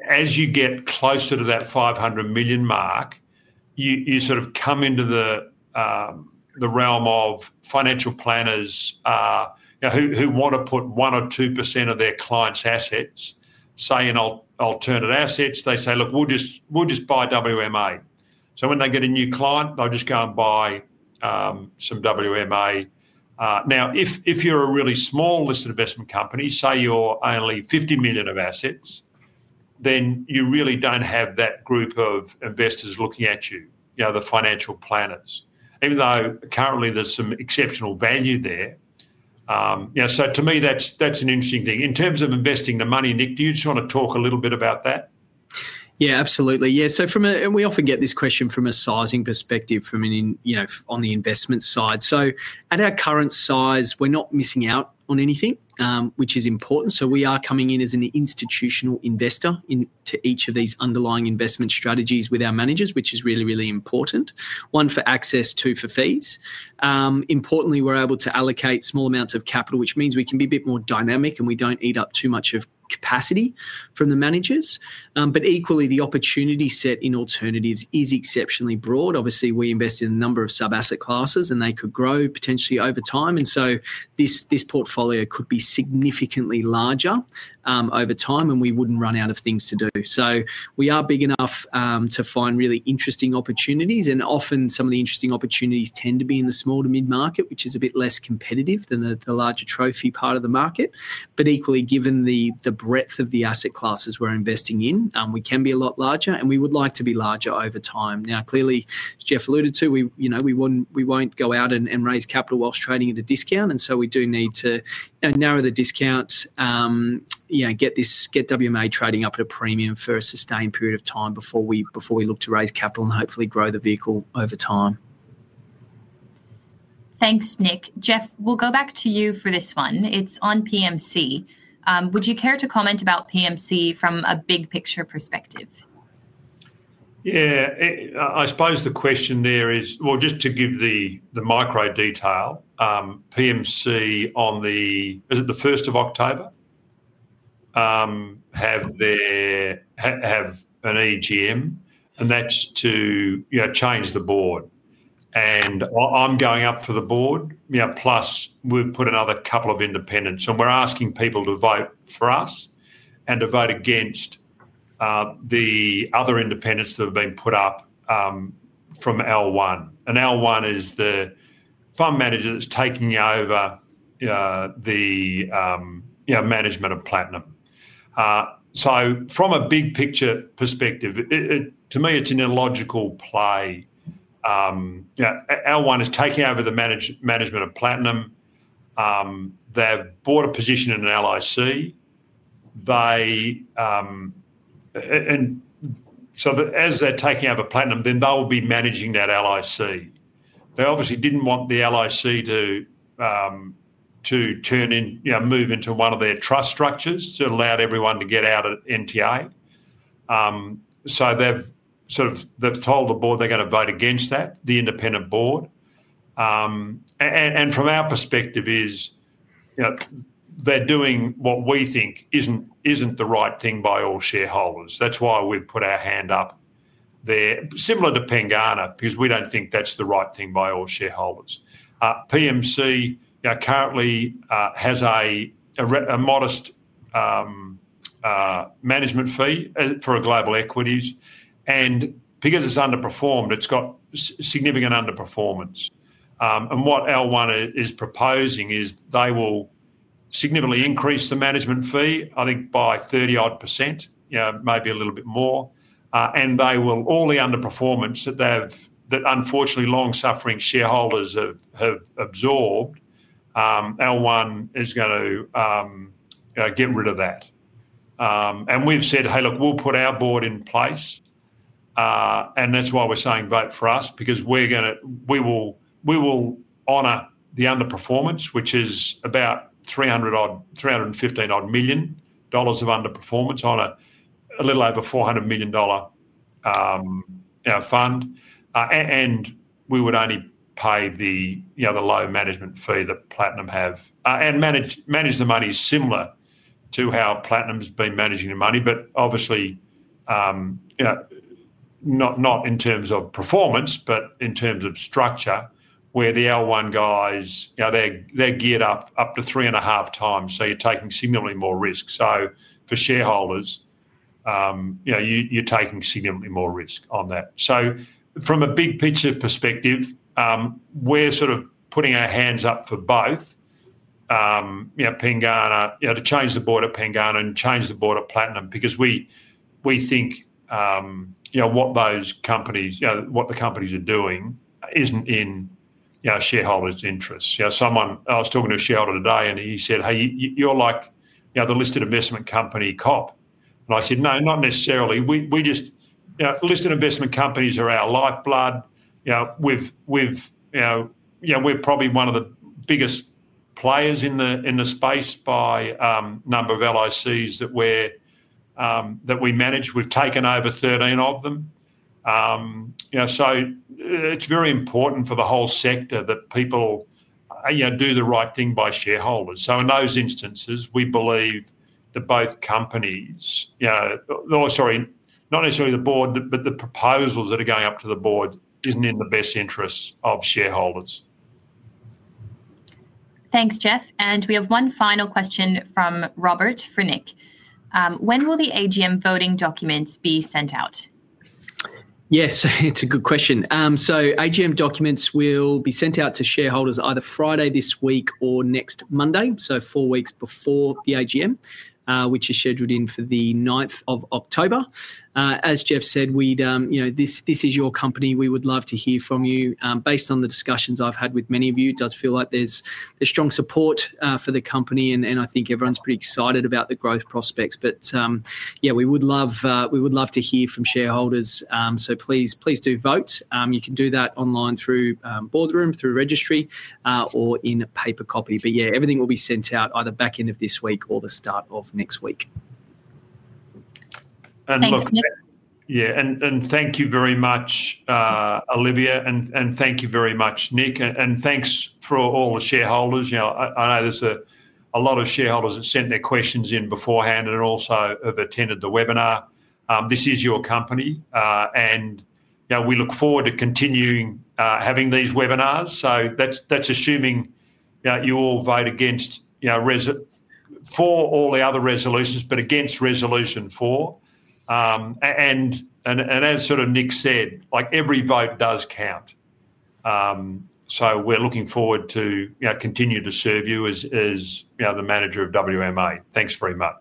as you get closer to that $500 million mark, you sort of come into the realm of financial planners who want to put 1% or 2% of their clients' assets, say in alternative assets. They say, "Look, we'll just buy WMA." When they get a new client, they'll just go and buy some WMA. Now, if you're a really small listed investment company, say you're only $50 million of assets, then you really don't have that group of investors looking at you, the financial planners, even though currently there's some exceptional value there. To me, that's an interesting thing. In terms of investing the money, Nick, do you just want to talk a little bit about that? Yeah, absolutely. From a sizing perspective, on the investment side, at our current size, we're not missing out on anything, which is important. We are coming in as an institutional investor into each of these underlying investment strategies with our managers, which is really, really important. One for access, two for fees. Importantly, we're able to allocate small amounts of capital, which means we can be a bit more dynamic and we don't eat up too much of capacity from the managers. Equally, the opportunity set in alternatives is exceptionally broad. Obviously, we invest in a number of subasset classes and they could grow potentially over time. This portfolio could be significantly larger over time and we wouldn't run out of things to do. We are big enough to find really interesting opportunities. Often, some of the interesting opportunities tend to be in the small to mid-market, which is a bit less competitive than the larger trophy part of the market. Equally, given the breadth of the asset classes we're investing in, we can be a lot larger and we would like to be larger over time. Now, clearly, as Geoff alluded to, we won't go out and raise capital whilst trading at a discount. We do need to narrow the discounts, get WAM Alternative Assets trading up at a premium for a sustained period of time before we look to raise capital and hopefully grow the vehicle over time. Thanks, Nick. Geoff, we'll go back to you for this one. It's on PMC. Would you care to comment about PMC from a big picture perspective? I suppose the question there is, just to give the micro detail, PMC on the, is it the 1st of October? Have an AGM, and that's to change the board. I'm going up for the board, plus we've put another couple of independents. We're asking people to vote for us and to vote against the other independents that have been put up from L1. L1 is the fund manager that's taking over the management of Platinum. From a big picture perspective, to me, it's an illogical play. L1 is taking over the management of Platinum. They've bought a position in an LIC. As they're taking over Platinum, then they will be managing that LIC. They obviously didn't want the LIC to move into one of their trust structures to allow everyone to get out of NTA. They've told the board they're going to vote against that, the independent board. From our perspective, they're doing what we think isn't the right thing by all shareholders. That's why we've put our hand up there, similar to Pingana, because we don't think that's the right thing by all shareholders. PMC now currently has a modest management fee for global equities. Because it's underperformed, it's got significant underperformance. What L1 is proposing is they will significantly increase the management fee, I think, by 30% odd, maybe a little bit more. All the underperformance that unfortunately long-suffering shareholders have absorbed, L1 is going to get rid of that. We've said, "Hey, look, we'll put our board in place." That's why we're saying vote for us, because we will honor the underperformance, which is about $315 million odd of underperformance on a little over $400 million fund. We would only pay the low management fee that Platinum have, and manage the money similar to how Platinum's been managing the money, not in terms of performance, but in terms of structure, where the L1 guys, they're geared up up to three and a half times. You're taking significantly more risk. For shareholders, you're taking significantly more risk on that. From a big picture perspective, we're sort of putting our hands up for both, you know, Pengana, you know, to change the board at Pengana and change the board at Platinum, because we think, you know, what those companies, you know, what the companies are doing isn't in, you know, shareholders' interests. Someone, I was talking to a shareholder today and he said, "Hey, you're like, you know, the listed investment company cop." I said, "No, not necessarily. We just, you know, listed investment companies are our lifeblood. You know, we've, you know, we're probably one of the biggest players in the space by the number of LICs that we manage. We've taken over 13 of them. It's very important for the whole sector that people, you know, do the right thing by shareholders. In those instances, we believe that both companies, you know, or sorry, not necessarily the board, but the proposals that are going up to the board isn't in the best interests of shareholders. Thanks, Geoff. We have one final question from Robert for Nick. When will the AGM voting documents be sent out? Yes, it's a good question. AGM documents will be sent out to shareholders either Friday this week or next Monday, four weeks before the AGM, which is scheduled for the 9th of October. As Geoff said, this is your company. We would love to hear from you. Based on the discussions I've had with many of you, it does feel like there's strong support for the company, and I think everyone's pretty excited about the growth prospects. We would love to hear from shareholders. Please, please do vote. You can do that online through Boardroom, through registry, or in a paper copy. Everything will be sent out either back end of this week or the start of next week. Thank you very much, Olivia, and thank you very much, Nick, and thanks for all the shareholders. I know there's a lot of shareholders that sent their questions in beforehand and also have attended the webinar. This is your company, and we look forward to continuing having these webinars. That's assuming you all vote against, you know, res for all the other resolutions, but against resolution four. As Nick said, every vote does count. We're looking forward to continue to serve you as the manager of WAM Alternative Assets. Thanks very much.